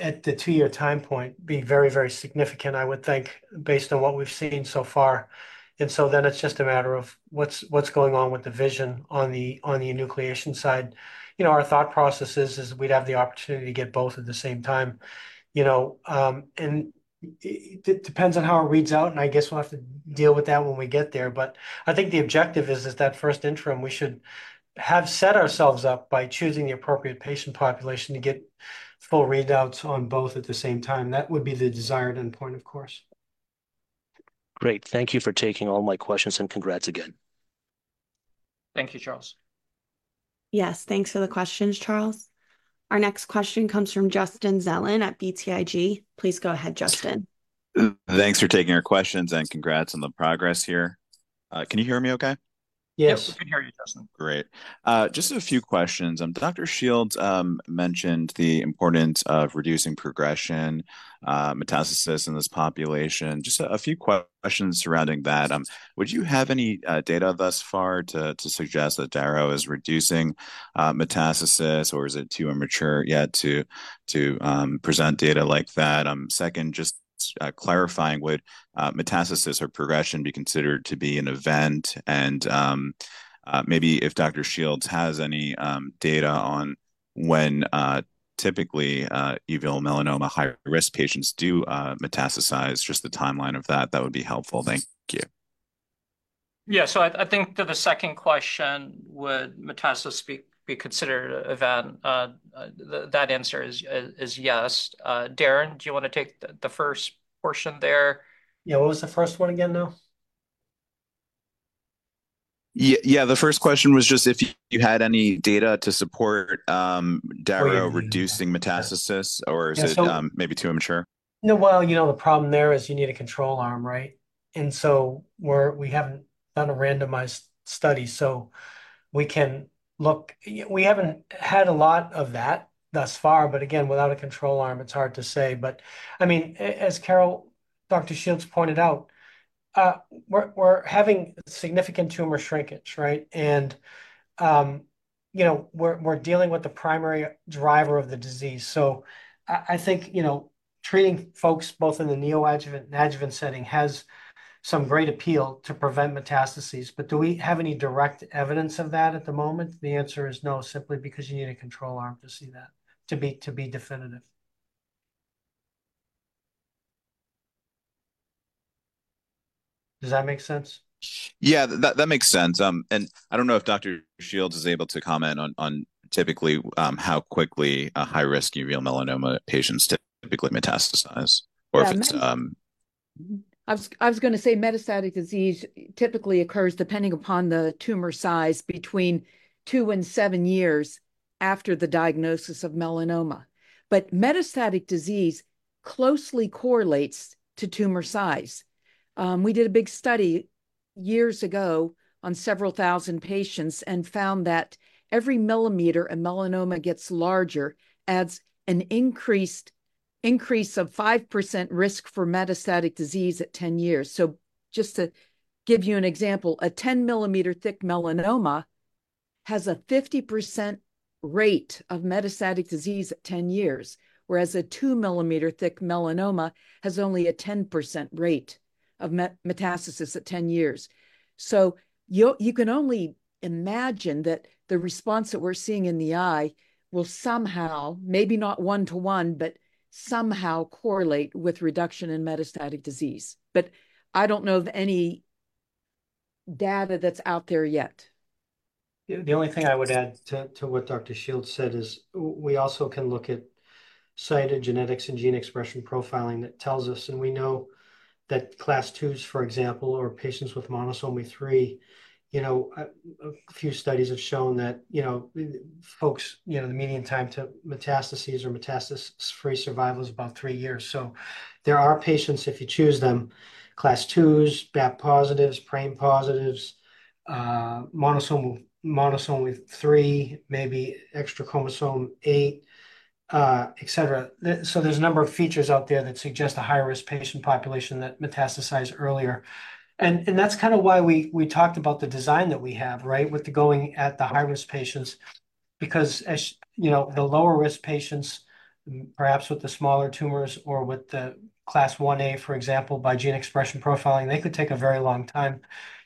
at the two-year time point, be very, very significant, I would think, based on what we've seen so far, and so then it's just a matter of what's, what's going on with the vision on the, on the enucleation side. You know, our thought process is we'd have the opportunity to get both at the same time, you know. And it depends on how it reads out, and I guess we'll have to deal with that when we get there. But I think the objective is that first interim, we should have set ourselves up by choosing the appropriate patient population to get full readouts on both at the same time. That would be the desired endpoint, of course. Great. Thank you for taking all my questions, and congrats again. Thank you, Charles. Yes, thanks for the questions, Charles. Our next question comes from Justin Zelin at BTIG. Please go ahead, Justin. Thanks for taking our questions, and congrats on the progress here. Can you hear me okay? Yes. Yep, we can hear you, Justin. Great. Just a few questions. Dr. Shields mentioned the importance of reducing progression, metastasis in this population. Just a few questions surrounding that. Would you have any data thus far to suggest that daro is reducing metastasis, or is it too immature yet to present data like that? Second, just clarifying, would metastasis or progression be considered to be an event? And maybe if Dr. Shields has any data on when typically uveal melanoma high-risk patients do metastasize, just the timeline of that, that would be helpful. Thank you. Yeah, so I think to the second question, would metastasis be considered an event? That answer is yes. Darrin, do you wanna take the first portion there? Yeah. What was the first one again, though?... Yeah, the first question was just if you had any data to support daro reducing metastasis, or is it maybe too immature? No, well, you know, the problem there is you need a control arm, right? And so we haven't done a randomized study, so we can look. We haven't had a lot of that thus far, but again, without a control arm, it's hard to say. But, I mean, as Carol, Dr. Shields pointed out, we're, we're having significant tumor shrinkage, right? And, you know, we're, we're dealing with the primary driver of the disease. So I, I think, you know, treating folks both in the neoadjuvant and adjuvant setting has some great appeal to prevent metastases. But do we have any direct evidence of that at the moment? The answer is no, simply because you need a control arm to see that, to be, to be definitive. Does that make sense? Yeah, that makes sense. And I don't know if Dr. Shields is able to comment on typically, how quickly a high-risk uveal melanoma patients typically metastasize, or if it's, Yeah, I was, I was gonna say metastatic disease typically occurs, depending upon the tumor size, between two and seven years after the diagnosis of melanoma. But metastatic disease closely correlates to tumor size. We did a big study years ago on several thousand patients and found that every millimeter a melanoma gets larger adds an increase of 5% risk for metastatic disease at ten years. So just to give you an example, a 10-millimeter-thick melanoma has a 50% rate of metastatic disease at ten years, whereas a 2-millimeter-thick melanoma has only a 10% rate of metastasis at ten years. So you can only imagine that the response that we're seeing in the eye will somehow, maybe not one to one, but somehow correlate with reduction in metastatic disease. But I don't know of any data that's out there yet. The only thing I would add to what Dr. Shields said is we also can look at cytogenetics and gene expression profiling that tells us, and we know that Class 2s, for example, or patients with monosomy 3, you know, a few studies have shown that, you know, folks, you know, the median time to metastases or metastasis-free survival is about three years. So there are patients, if you choose them, Class 2s, BAP1 positives, PRAME positives, monosomy 3, maybe extra chromosome 8, et cetera. So there's a number of features out there that suggest a high-risk patient population that metastasize earlier, and that's kind of why we talked about the design that we have, right? With the going at the high-risk patients, because as you know, the lower risk patients, perhaps with the smaller tumors or with the Class 1A, for example, by gene expression profiling, they could take a very long time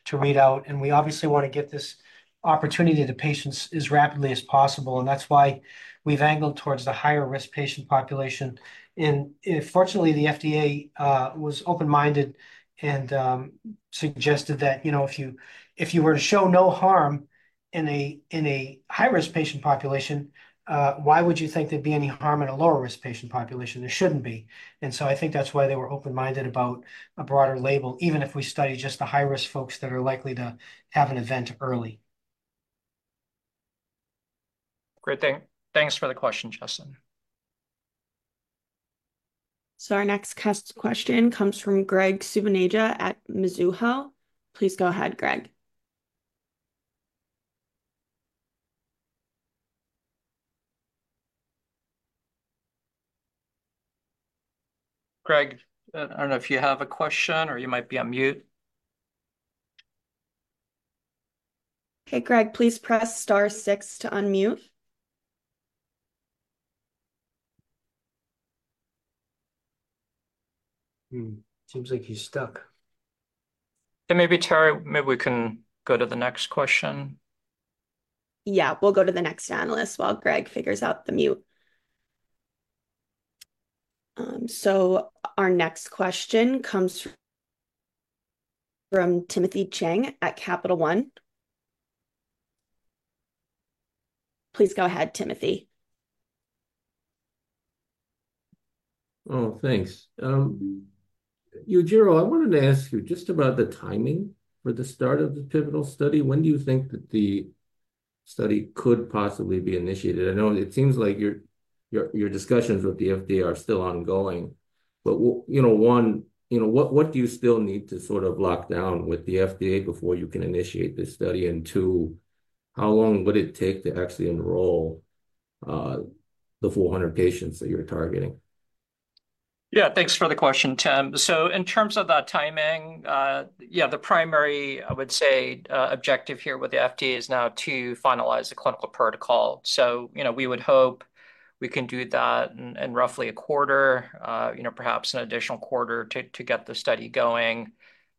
to read out. We obviously want to get this opportunity to patients as rapidly as possible, and that's why we've angled towards the higher risk patient population. Fortunately, the FDA was open-minded and suggested that, you know, if you were to show no harm in a high-risk patient population, why would you think there'd be any harm in a lower risk patient population? There shouldn't be. So I think that's why they were open-minded about a broader label, even if we study just the high-risk folks that are likely to have an event early. Great, thanks for the question, Justin. Our next question comes from Graig Suvannavejh at Mizuho. Please go ahead, Graig. Greg, I don't know if you have a question or you might be on mute. Okay, Greg, please press star six to unmute. Hmm. Seems like he's stuck. And maybe, Tara, maybe we can go to the next question. Yeah, we'll go to the next analyst while Greg figures out the mute. So our next question comes from Tim Chiang at Capital One Securities. Please go ahead, Tim. Oh, thanks. Yujiro, I wanted to ask you just about the timing for the start of the pivotal study. When do you think that the study could possibly be initiated? I know it seems like your discussions with the FDA are still ongoing, but you know, one, you know, what do you still need to sort of lock down with the FDA before you can initiate this study? And two, how long would it take to actually enroll the 400 patients that you're targeting? Yeah, thanks for the question, Tim. So in terms of the timing, yeah, the primary, I would say, objective here with the FDA is now to finalize the clinical protocol. So, you know, we would hope we can do that in, in roughly a quarter, you know, perhaps an additional quarter to, to get the study going.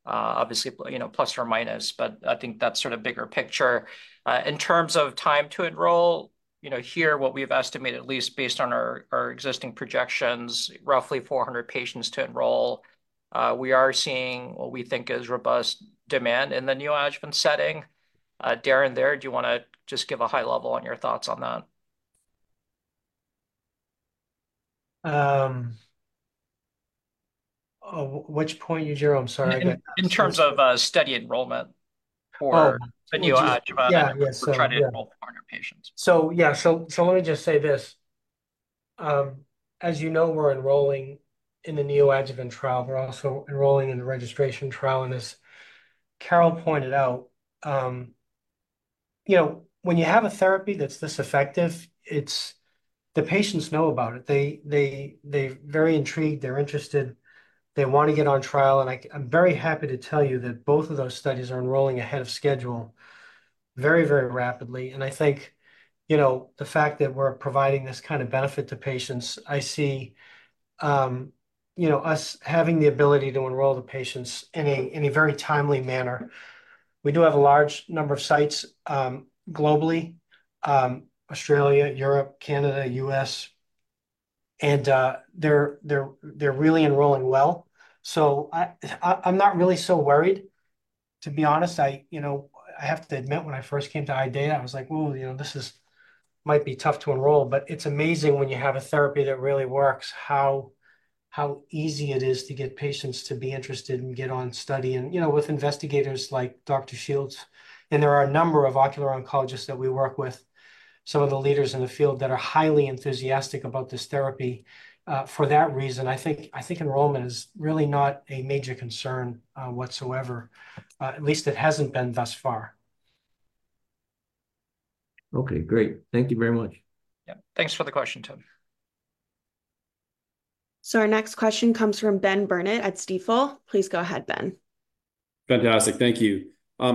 Obviously, you know, plus or minus, but I think that's sort of bigger picture. In terms of time to enroll, you know, here, what we've estimated, at least based on our, our existing projections, roughly 400 patients to enroll. We are seeing what we think is robust demand in the neoadjuvant setting. Darrin, there, do you wanna just give a high level on your thoughts on that?... Which point, Yujiro? I'm sorry, I got- In terms of study enrollment or- Oh the neoadjuvant- Yeah, yes. So- Try to enroll more patients. Let me just say this. As you know, we're enrolling in the neoadjuvant trial. We're also enrolling in the registration trial, and as Carol pointed out, you know, when you have a therapy that's this effective, it's the patients know about it. They're very intrigued, they're interested, they wanna get on trial, and I'm very happy to tell you that both of those studies are enrolling ahead of schedule very, very rapidly. And I think, you know, the fact that we're providing this kind of benefit to patients, I see, you know, us having the ability to enroll the patients in a very timely manner. We do have a large number of sites globally, Australia, Europe, Canada, US, and they're really enrolling well. I'm not really so worried, to be honest. You know, I have to admit, when I first came to IDEAYA, I was like: Ooh, you know, this might be tough to enroll. But it's amazing when you have a therapy that really works, how easy it is to get patients to be interested and get on study. You know, with investigators like Dr. Shields, and there are a number of ocular oncologists that we work with, some of the leaders in the field that are highly enthusiastic about this therapy. For that reason, I think enrollment is really not a major concern whatsoever. At least it hasn't been thus far. Okay, great. Thank you very much. Yeah. Thanks for the question, Tim. So our next question comes from Ben Burnett at Stifel. Please go ahead, Ben. Fantastic. Thank you. I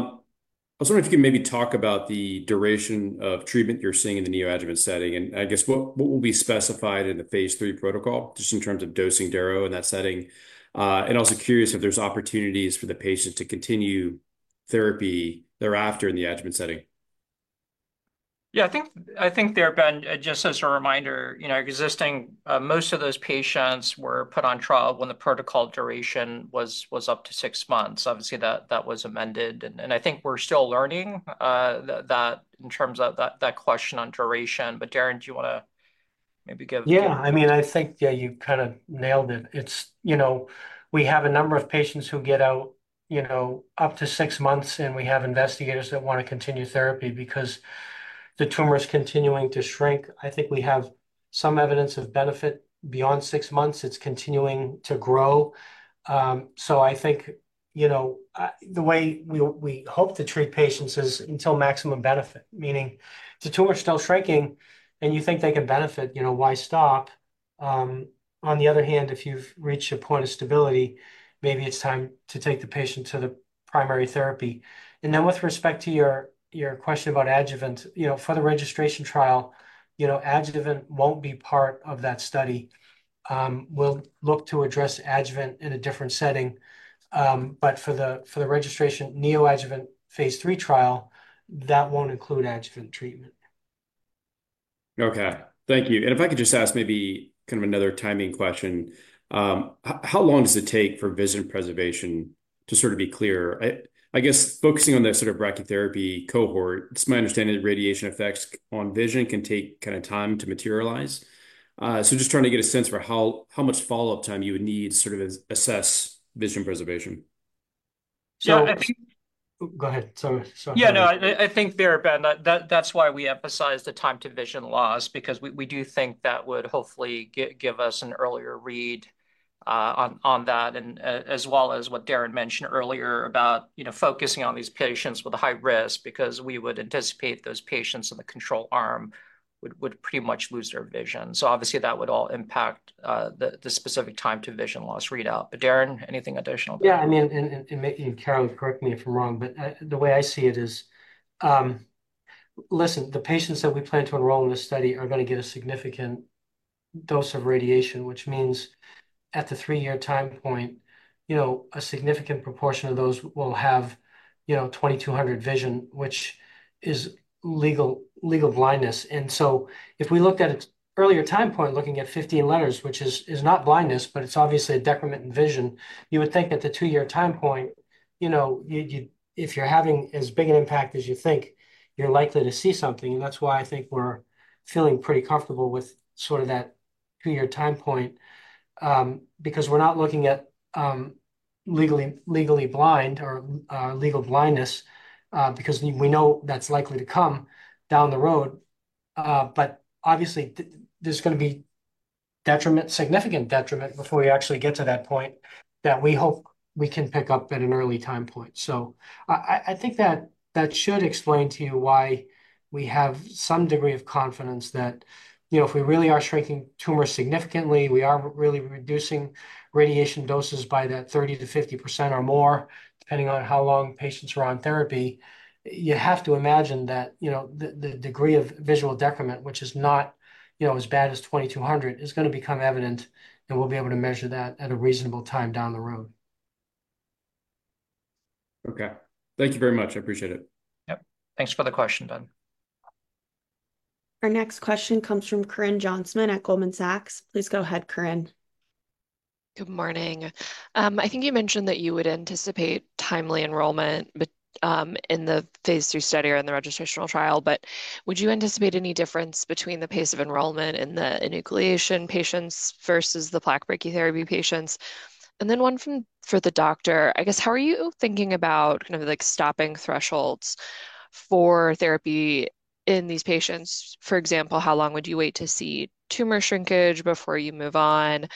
was wondering if you could maybe talk about the duration of treatment you're seeing in the neoadjuvant setting, and I guess what will be specified in the phase III protocol, just in terms of dosing daro in that setting? And also curious if there's opportunities for the patient to continue therapy thereafter in the adjuvant setting. Yeah, I think there, Ben, just as a reminder, you know, existing most of those patients were put on trial when the protocol duration was up to six months. Obviously, that was amended, and I think we're still learning that in terms of that question on duration. But Darrin, do you wanna maybe give- Yeah, I mean, I think, yeah, you've kinda nailed it. It's, you know, we have a number of patients who get out, you know, up to six months, and we have investigators that wanna continue therapy because the tumor is continuing to shrink. I think we have some evidence of benefit beyond six months. It's continuing to grow. So I think, you know, the way we hope to treat patients is until maximum benefit, meaning if the tumor is still shrinking and you think they can benefit, you know, why stop? On the other hand, if you've reached a point of stability, maybe it's time to take the patient to the primary therapy. And then with respect to your, your question about adjuvant, you know, for the registration trial, you know, adjuvant won't be part of that study. We'll look to address adjuvant in a different setting. But for the registration, neoadjuvant phase III trial, that won't include adjuvant treatment. Okay. Thank you. And if I could just ask maybe kind of another timing question. How long does it take for vision preservation to sort of be clear? I guess focusing on the sort of brachytherapy cohort, it's my understanding that radiation effects on vision can take kinda time to materialize. So just trying to get a sense for how much follow-up time you would need sort of to assess vision preservation. So- Yeah, I think... Go ahead. Sorry. Sorry. Yeah, no, I think there, Ben, that's why we emphasize the time to vision loss, because we do think that would hopefully give us an earlier read on that, and as well as what Darrin mentioned earlier about, you know, focusing on these patients with a high risk, because we would anticipate those patients in the control arm would pretty much lose their vision. So obviously, that would all impact the specific time to vision loss readout. But, Darrin, anything additional? Yeah, I mean, and Carol, correct me if I'm wrong, but the way I see it is, listen, the patients that we plan to enroll in this study are gonna get a significant dose of radiation, which means at the three-year time point, you know, a significant proportion of those will have, you know, 20/200 vision, which is legal blindness. And so if we looked at its earlier time point, looking at 15 letters, which is not blindness, but it's obviously a decrement in vision, you would think at the two-year time point, you know, you if you're having as big an impact as you think, you're likely to see something, and that's why I think we're feeling pretty comfortable with sort of that two-year time point. Because we're not looking at legally blind or legal blindness, because we know that's likely to come down the road, but obviously, there's gonna be detriment, significant detriment before we actually get to that point that we hope we can pick up at an early time point, so I think that should explain to you why we have some degree of confidence that, you know, if we really are shrinking tumors significantly, we are really reducing radiation doses by that 30%-50% or more, depending on how long patients are on therapy. You have to imagine that, you know, the degree of visual decrement, which is not, you know, as bad as 20/200, is gonna become evident, and we'll be able to measure that at a reasonable time down the road. Okay. Thank you very much. I appreciate it. Yep. Thanks for the question, Ben. Our next question comes from Corinne Jenkins at Goldman Sachs. Please go ahead, Corinne.... Good morning. I think you mentioned that you would anticipate timely enrollment, but, in the phase 3 study or in the registrational trial, but would you anticipate any difference between the pace of enrollment in the enucleation patients versus the plaque brachytherapy patients? And then one from, for the doctor, I guess, how are you thinking about kind of like stopping thresholds for therapy in these patients? For example, how long would you wait to see tumor shrinkage before you move on?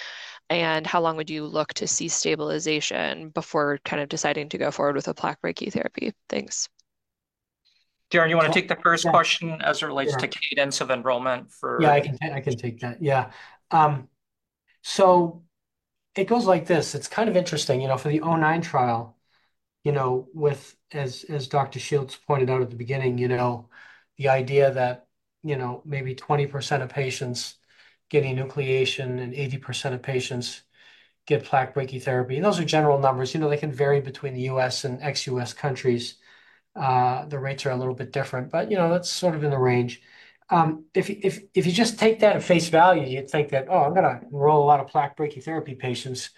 And how long would you look to see stabilization before kind of deciding to go forward with a plaque brachytherapy? Thanks. Darrin, you want to take the first question? Yeah. as it relates to cadence of enrollment for Yeah, I can take that. Yeah. So it goes like this: it's kind of interesting, you know, for the 0O9 trial, you know, with as Dr. Shields pointed out at the beginning, you know, the idea that, you know, maybe 20% of patients get enucleation and 80% of patients get plaque brachytherapy, those are general numbers. You know, they can vary between the US and ex-US countries. The rates are a little bit different, but, you know, that's sort of in the range. If you just take that at face value, you'd think that, oh, I'm gonna enroll a lot of plaque brachytherapy patients,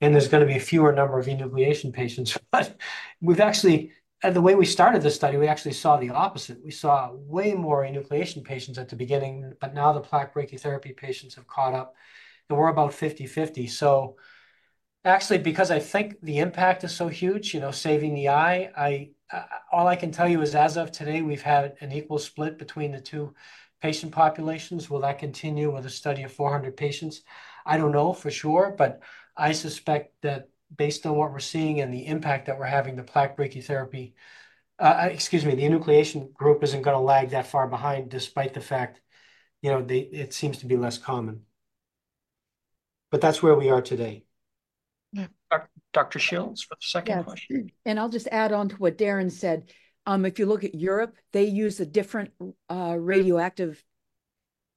and there's gonna be a fewer number of enucleation patients. But we've actually... And the way we started this study, we actually saw the opposite. We saw way more enucleation patients at the beginning, but now the plaque brachytherapy patients have caught up, and we're about fifty-fifty. So actually, because I think the impact is so huge, you know, saving the eye, I all I can tell you is, as of today, we've had an equal split between the two patient populations. Will that continue with a study of four hundred patients? I don't know for sure, but I suspect that based on what we're seeing and the impact that we're having, the plaque brachytherapy, excuse me, the enucleation group isn't gonna lag that far behind, despite the fact, you know, it seems to be less common. But that's where we are today. Yeah. Dr. Shields, for the second question. Yeah, and I'll just add on to what Darrin said. If you look at Europe, they use a different radioactive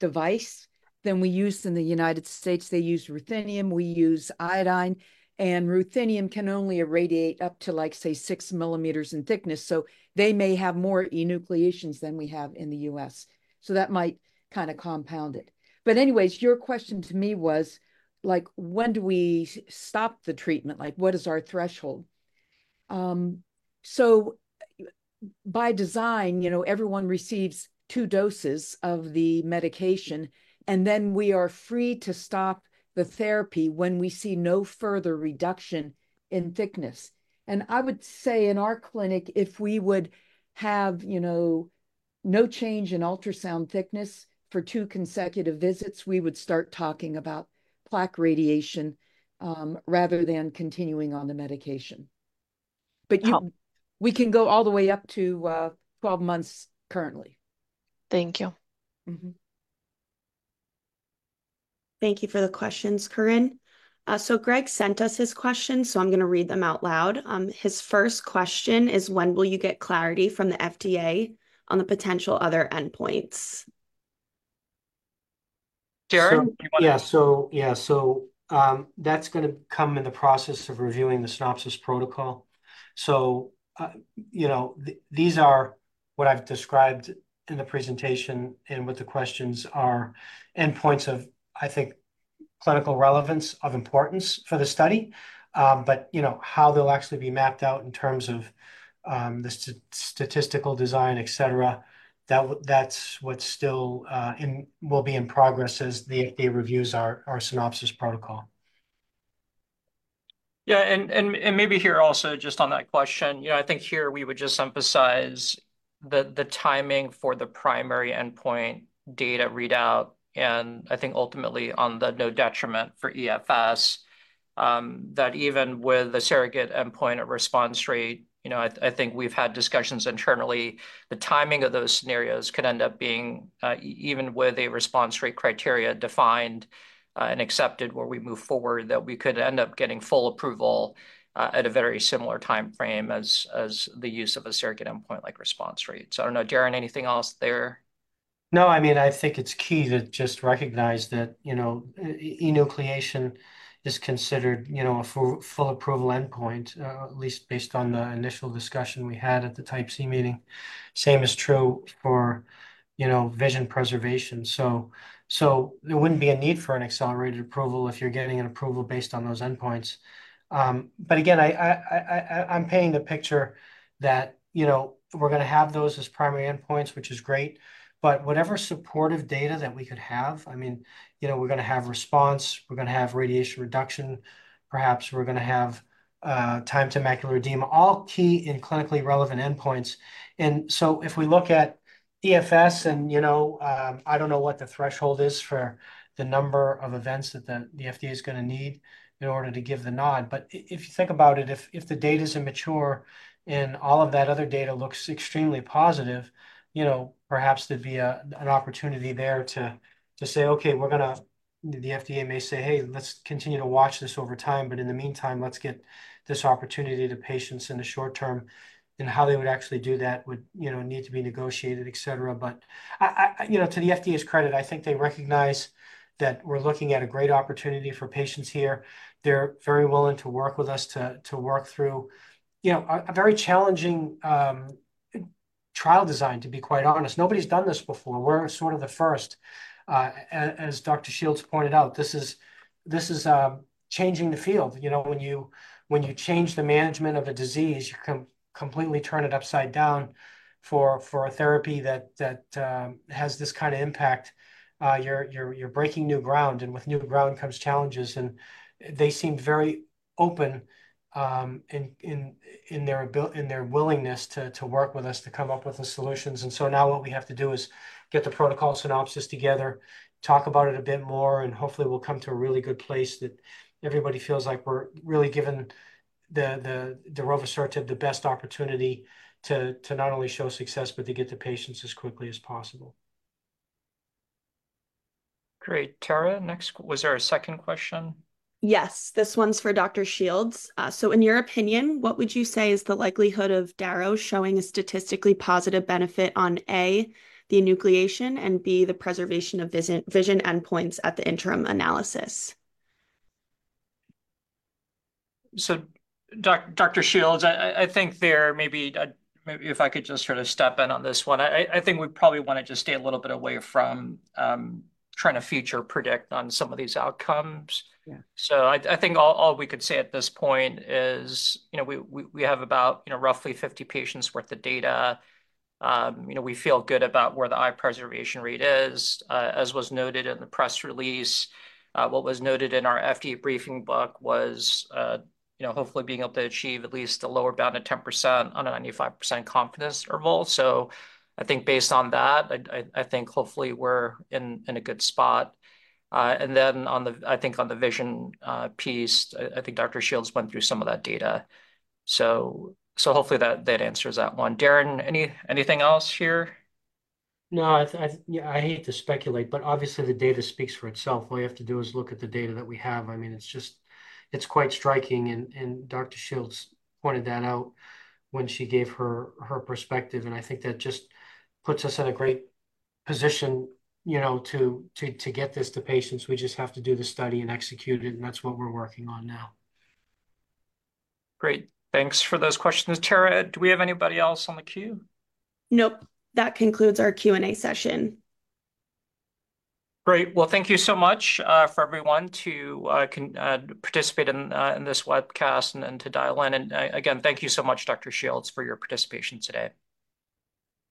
device than we use in the United States. They use ruthenium, we use iodine, and ruthenium can only irradiate up to, like, say, six millimeters in thickness, so they may have more enucleations than we have in the US, so that might kind of compound it. But anyways, your question to me was, like, when do we stop the treatment? Like, what is our threshold? So by design, you know, everyone receives two doses of the medication, and then we are free to stop the therapy when we see no further reduction in thickness. I would say, in our clinic, if we would have, you know, no change in ultrasound thickness for two consecutive visits, we would start talking about plaque radiation rather than continuing on the medication. Yeah. We can go all the way up to 12 months currently. Thank you. Mm-hmm. Thank you for the questions, Corinne. So Greg sent us his question, so I'm gonna read them out loud. His first question is: when will you get clarity from the FDA on the potential other endpoints? Darrin, do you want to- Yeah, so that's gonna come in the process of reviewing the synopsis protocol. You know, these are what I've described in the presentation and what the questions are, endpoints of clinical relevance, I think, of importance for the study. You know how they'll actually be mapped out in terms of the statistical design, et cetera. That's what's still in progress as the FDA reviews our synopsis protocol. Yeah, and maybe here also, just on that question, you know, I think here we would just emphasize the timing for the primary endpoint data readout, and I think ultimately on the no detriment for EFS, that even with the surrogate endpoint at response rate, you know, I think we've had discussions internally, the timing of those scenarios could end up being even with a response rate criteria defined and accepted where we move forward, that we could end up getting full approval at a very similar timeframe as the use of a surrogate endpoint, like response rates. I don't know, Darrin, anything else there? No, I mean, I think it's key to just recognize that, you know, enucleation is considered, you know, a full approval endpoint, at least based on the initial discussion we had at the Type C meeting. Same is true for, you know, vision preservation. So there wouldn't be a need for an accelerated approval if you're getting an approval based on those endpoints. But again, I'm painting the picture that, you know, we're gonna have those as primary endpoints, which is great, but whatever supportive data that we could have, I mean, you know, we're gonna have response, we're gonna have radiation reduction, perhaps we're gonna have time to macular edema, all key and clinically relevant endpoints. And so if we look at EFS, and, you know, I don't know what the threshold is for the number of events that the FDA is gonna need in order to give the nod, but if you think about it, if the data's immature and all of that other data looks extremely positive, you know, perhaps there'd be an opportunity there to say, "Okay, we're gonna..." The FDA may say, "Hey, let's continue to watch this over time, but in the meantime, let's get this opportunity to patients in the short term," and how they would actually do that would, you know, need to be negotiated, et cetera. But I, you know, to the FDA's credit, I think they recognize that we're looking at a great opportunity for patients here. They're very willing to work with us to work through, you know, a very challenging trial design, to be quite honest. Nobody's done this before. We're sort of the first. As Dr. Shields pointed out, this is changing the field. You know, when you change the management of a disease, you completely turn it upside down for a therapy that has this kind of impact. You're breaking new ground, and with new ground comes challenges, and they seem very open in their willingness to work with us to come up with the solutions. So now what we have to do is get the protocol synopsis together, talk about it a bit more, and hopefully we'll come to a really good place that everybody feels like we're really giving the darovasertib the best opportunity to not only show success, but to get to patients as quickly as possible. Great. Tara, next, was there a second question? Yes, this one's for Dr. Shields. So in your opinion, what would you say is the likelihood of darovasertib showing a statistically positive benefit on, A, the enucleation, and, B, the preservation of vision endpoints at the interim analysis? So Dr. Shields, I think maybe if I could just sort of step in on this one. I think we probably want to just stay a little bit away from trying to future predict on some of these outcomes. Yeah. So I think all we could say at this point is, you know, we have about, you know, roughly 50 patients worth of data. You know, we feel good about where the eye preservation rate is. As was noted in the press release, what was noted in our FDA briefing book was, you know, hopefully being able to achieve at least a lower bound of 10% on a 95% confidence interval. So I think based on that, I think hopefully we're in a good spot. And then on the vision piece, I think Dr. Shields went through some of that data. So hopefully that answers that one. Darrin, anything else here? No, yeah, I hate to speculate, but obviously the data speaks for itself. All you have to do is look at the data that we have. I mean, it's just, it's quite striking, and Dr. Shields pointed that out when she gave her perspective, and I think that just puts us in a great position, you know, to get this to patients. We just have to do the study and execute it, and that's what we're working on now. Great. Thanks for those questions. Tara, do we have anybody else on the queue? Nope. That concludes our Q&A session. Great. Well, thank you so much for everyone to participate in this webcast and then to dial in. And again, thank you so much, Dr. Shields, for your participation today.